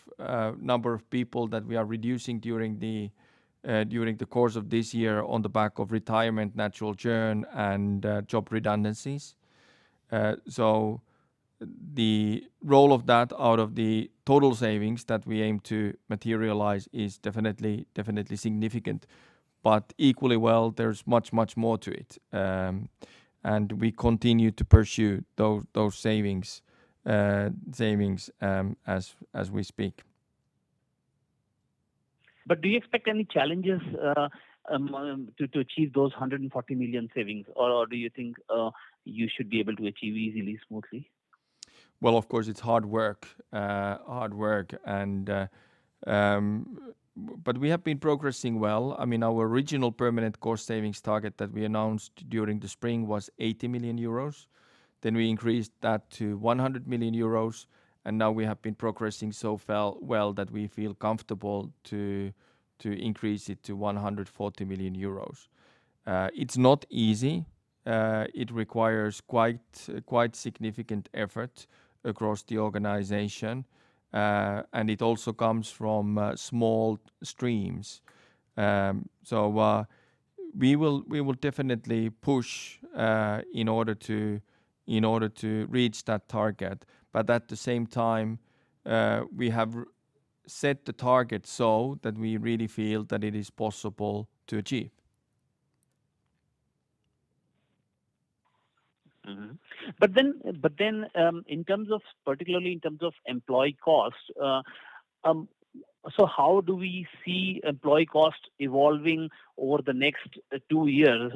people that we are reducing during the course of this year on the back of retirement, natural churn and job redundancies. The role of that out of the total savings that we aim to materialize is definitely significant. Equally well, there's much more to it. We continue to pursue those savings as we speak. Do you expect any challenges to achieve those 140 million savings, or do you think you should be able to achieve easily, smoothly? Of course, it's hard work. We have been progressing well. Our original permanent cost savings target that we announced during the spring was 80 million euros. We increased that to 100 million euros, and now we have been progressing so well that we feel comfortable to increase it to 140 million euros. It's not easy. It requires quite significant effort across the organization. It also comes from small streams. We will definitely push in order to reach that target. At the same time, we have set the target so that we really feel that it is possible to achieve. Particularly in terms of employee costs, so how do we see employee costs evolving over the next two years?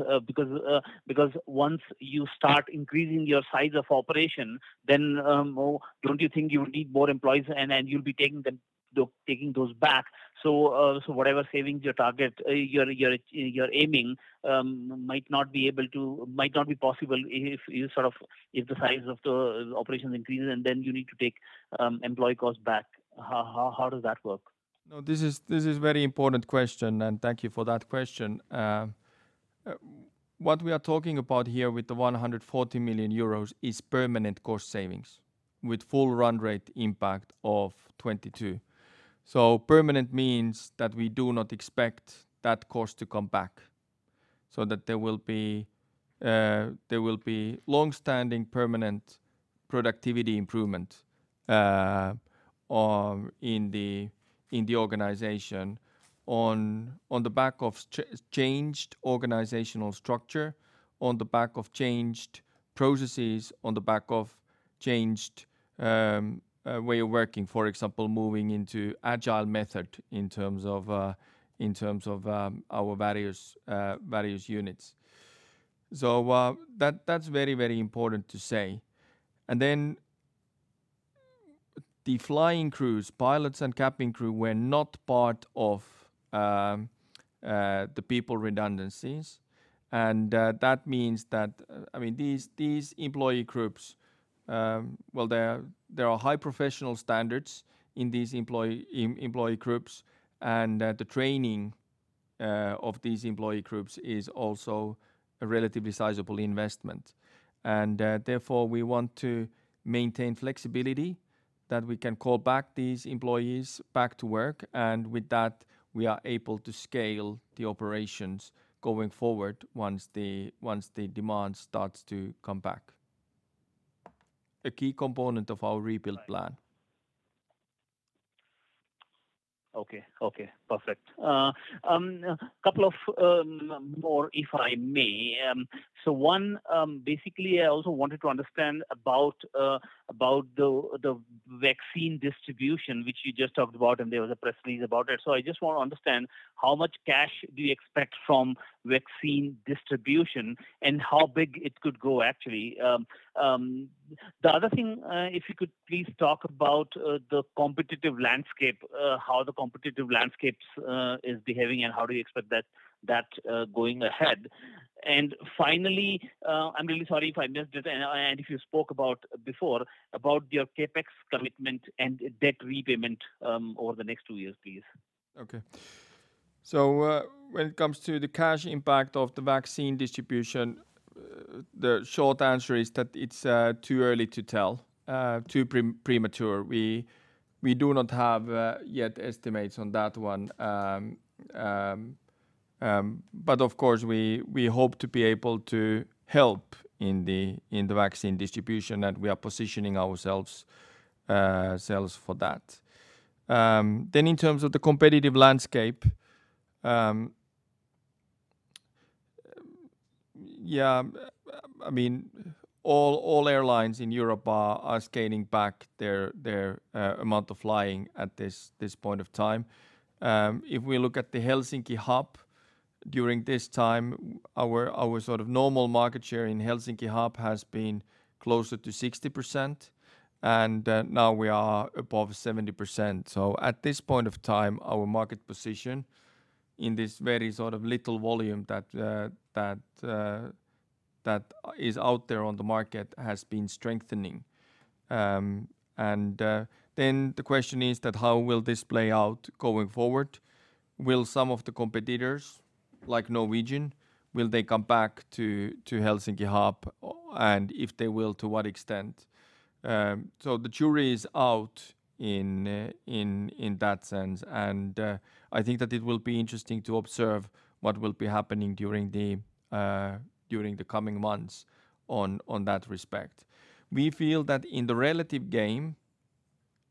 Once you start increasing your size of operation, then don't you think you'll need more employees and you'll be taking those back? Whatever savings you're aiming might not be possible if the size of the operations increases and then you need to take employee costs back. How does that work? This is very important question. Thank you for that question. What we are talking about here with the 140 million euros is permanent cost savings with full run rate impact of 2022. Permanent means that we do not expect that cost to come back. That there will be longstanding permanent productivity improvement in the organization on the back of changed organizational structure, on the back of changed processes, on the back of changed way of working, for example, moving into agile method in terms of our various units. That's very important to say. Then the flying crews, pilots and cabin crew, were not part of the people redundancies. That means that these employee groups, well, there are high professional standards in these employee groups, and the training of these employee groups is also a relatively sizable investment. Therefore, we want to maintain flexibility that we can call back these employees back to work, and with that, we are able to scale the operations going forward once the demand starts to come back. A key component of our rebuild plan. Okay. Perfect. Couple of more, if I may. One, basically, I also wanted to understand about the vaccine distribution, which you just talked about, and there was a press release about it. I just want to understand how much cash do you expect from vaccine distribution and how big it could go, actually? The other thing, if you could please talk about the competitive landscape, how the competitive landscape is behaving, and how do you expect that going ahead? Finally, I'm really sorry if I missed it and if you spoke about before, about your CapEx commitment and debt repayment over the next two years, please. When it comes to the cash impact of the vaccine distribution, the short answer is that it's too early to tell, too premature. We do not have yet estimates on that one. Of course, we hope to be able to help in the vaccine distribution, and we are positioning ourselves for that. In terms of the competitive landscape, all airlines in Europe are scaling back their amount of flying at this point of time. If we look at the Helsinki hub during this time, our sort of normal market share in Helsinki hub has been closer to 60%, and now we are above 70%. At this point of time, our market position in this very sort of little volume that is out there on the market has been strengthening. The question is that how will this play out going forward? Will some of the competitors, like Norwegian, will they come back to Helsinki hub, and if they will, to what extent? The jury is out in that sense, and I think that it will be interesting to observe what will be happening during the coming months on that respect. We feel that in the relative game,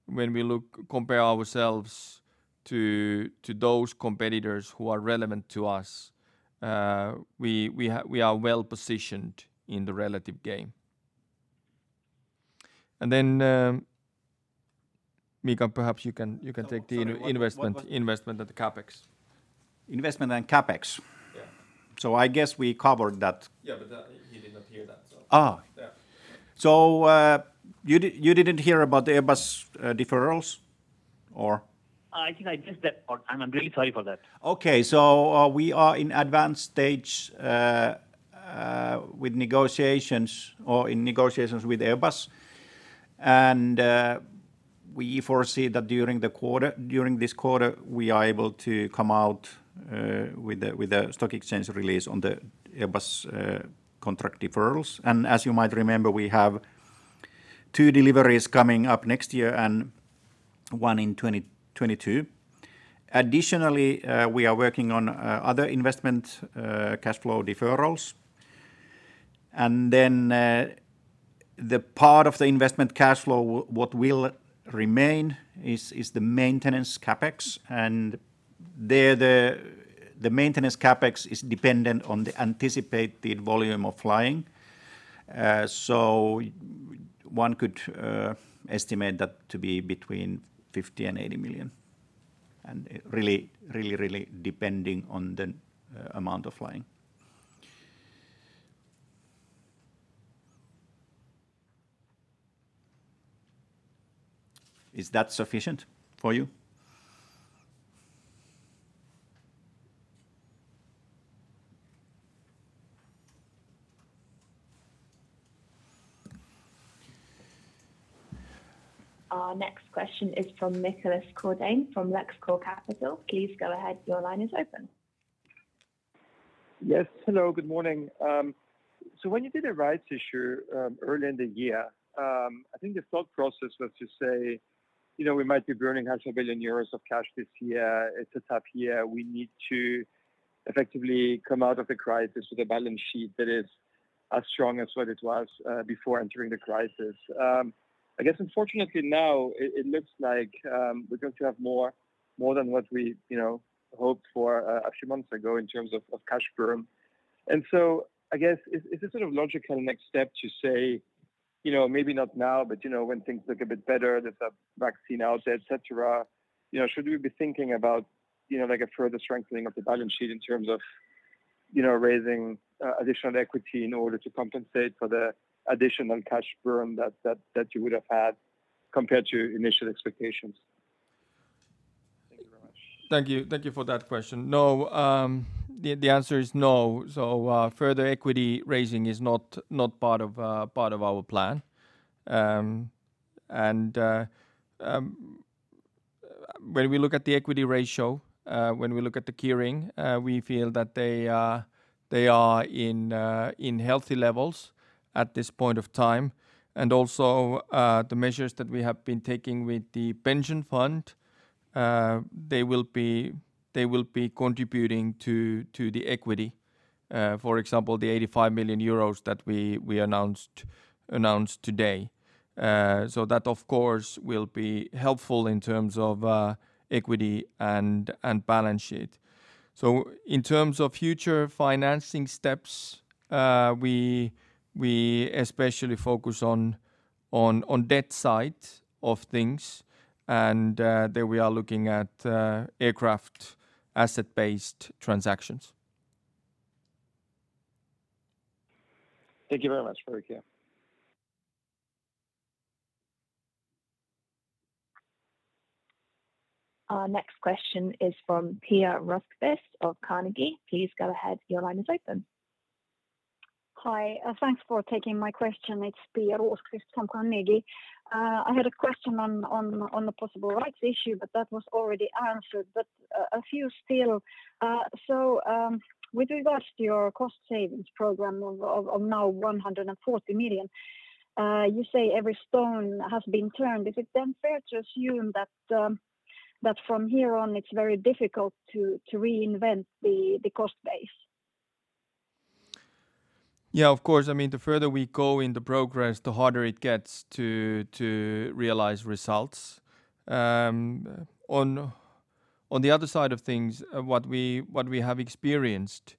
when we compare ourselves to those competitors who are relevant to us, we are well-positioned in the relative game. Mika, perhaps you can take the investment at the CapEx. Investment and CapEx? Yeah. I guess we covered that. Yeah, he did not hear that. Yeah. You didn't hear about the Airbus deferrals or? I think I missed that part. I'm really sorry for that. Okay. We are in advanced stage with negotiations or in negotiations with Airbus, and we foresee that during this quarter, we are able to come out with a stock exchange release on the Airbus contract deferrals. As you might remember, we have two deliveries coming up next year and one in 2022. Additionally, we are working on other investment cashflow deferrals. Then the part of the investment cashflow, what will remain is the maintenance CapEx. There the maintenance CapEx is dependent on the anticipated volume of flying. One could estimate that to be between 50 million and 80 million, and really depending on the amount of flying. Is that sufficient for you? Our next question is from Nicolas Gourdain from Lexcor Capital. Please go ahead. Your line is open. Yes. Hello. Good morning. When you did a rights issue early in the year, I think the thought process was to say, we might be burning 500 million euros of cash this year. It's a tough year. We need to effectively come out of the crisis with a balance sheet that is as strong as what it was before entering the crisis. I guess unfortunately now it looks like we're going to have more than what we hoped for a few months ago in terms of cash burn. I guess, is this sort of logical next step to say, maybe not now, but when things look a bit better, there's a vaccine out there, et cetera, should we be thinking about a further strengthening of the balance sheet in terms of raising additional equity in order to compensate for the additional cash burn that you would have had compared to initial expectations? Thank you very much. Thank you for that question. No. The answer is no. Further equity raising is not part of our plan. When we look at the equity ratio, when we look at the gearing, we feel that they are in healthy levels at this point of time. The measures that we have been taking with the pension fund, they will be contributing to the equity. For example, the 85 million euros that we announced today. That of course will be helpful in terms of equity and balance sheet. In terms of future financing steps, we especially focus on debt side of things, and there we are looking at aircraft asset-based transactions. Thank you very much for your care. Our next question is from Pia Rosqvist of Carnegie. Please go ahead. Your line is open. Hi, thanks for taking my question. It's Pia Rosqvist from Carnegie. I had a question on the possible rights issue, but that was already answered, but a few still. With regards to your cost savings program of now 140 million, you say every stone has been turned. Is it then fair to assume that from here on it's very difficult to reinvent the cost base? Yeah, of course. I mean, the further we go in the progress, the harder it gets to realize results. On the other side of things, what we have experienced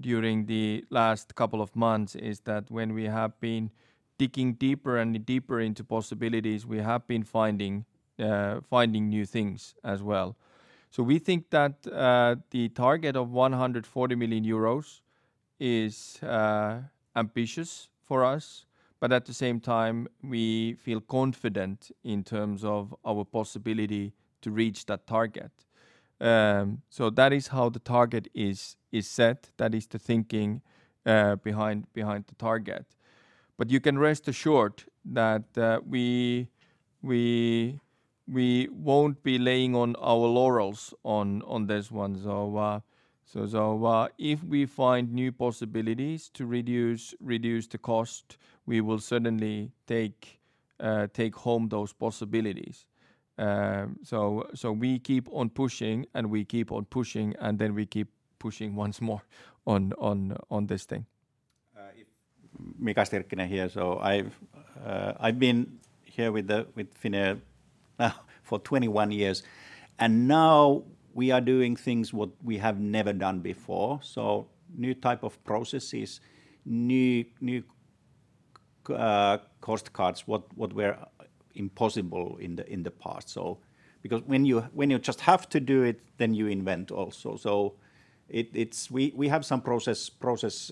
during the last couple of months is that when we have been digging deeper and deeper into possibilities, we have been finding new things as well. We think that the target of 140 million euros is ambitious for us, but at the same time, we feel confident in terms of our possibility to reach that target. That is how the target is set. That is the thinking behind the target. You can rest assured that we won't be laying on our laurels on this one. If we find new possibilities to reduce the cost, we will certainly take home those possibilities. We keep on pushing and we keep on pushing, and then we keep pushing once more on this thing. Mika Stirkkinen here. I've been here with Finnair for 21 years, now we are doing things what we have never done before. New type of processes, new cost cuts what were impossible in the past. Because when you just have to do it, then you invent also. We have some process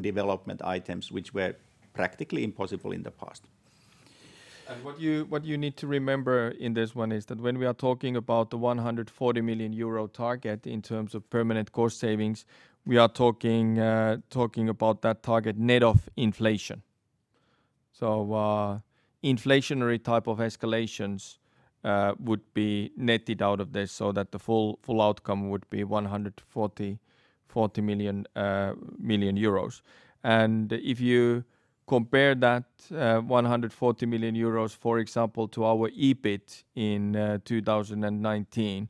development items which were practically impossible in the past. What you need to remember in this one is that when we are talking about the 140 million euro target in terms of permanent cost savings, we are talking about that target net of inflation. Inflationary type of escalations would be netted out of this so that the full outcome would be 140 million euros. If you compare that 140 million euros, for example, to our EBIT in 2019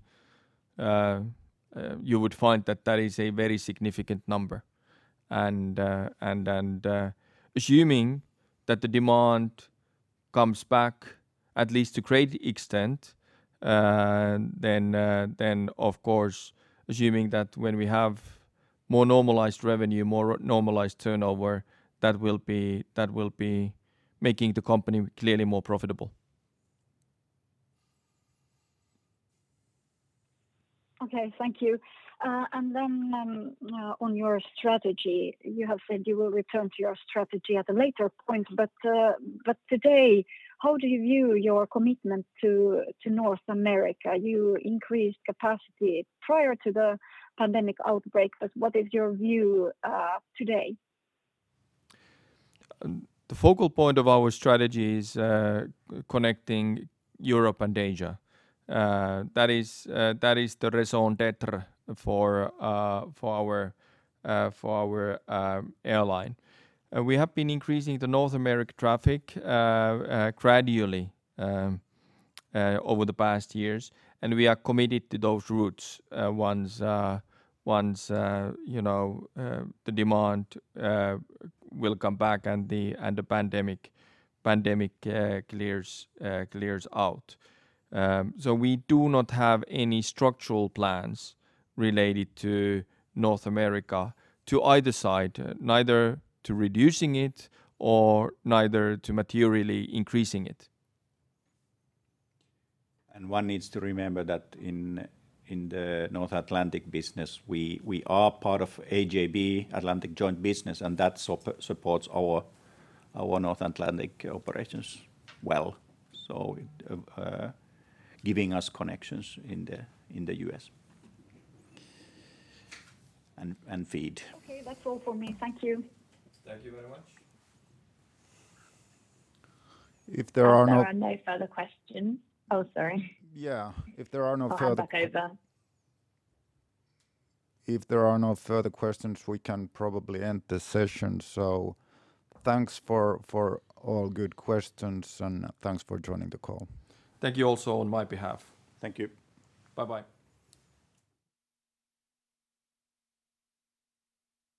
you would find that that is a very significant number. Assuming that the demand comes back at least to great extent, then of course assuming that when we have more normalized revenue, more normalized turnover, that will be making the company clearly more profitable. Okay. Thank you. On your strategy, you have said you will return to your strategy at a later point, today how do you view your commitment to North America? You increased capacity prior to the pandemic outbreak, what is your view today? The focal point of our strategy is connecting Europe and Asia. That is the raison d'etre for our airline. We have been increasing the North America traffic gradually over the past years, and we are committed to those routes once the demand will come back and the pandemic clears out. We do not have any structural plans related to North America to either side, neither to reducing it or neither to materially increasing it. One needs to remember that in the North Atlantic business, we are part of AJB, Atlantic Joint Business, and that supports our North Atlantic operations well. Giving us connections in the U.S. and feed. Okay. That's all for me. Thank you. Thank you very much. There are no further questions. Oh, sorry. Yeah. I'll hand back over. If there are no further questions, we can probably end the session. Thanks for all good questions and thanks for joining the call. Thank you also on my behalf. Thank you. Bye-bye.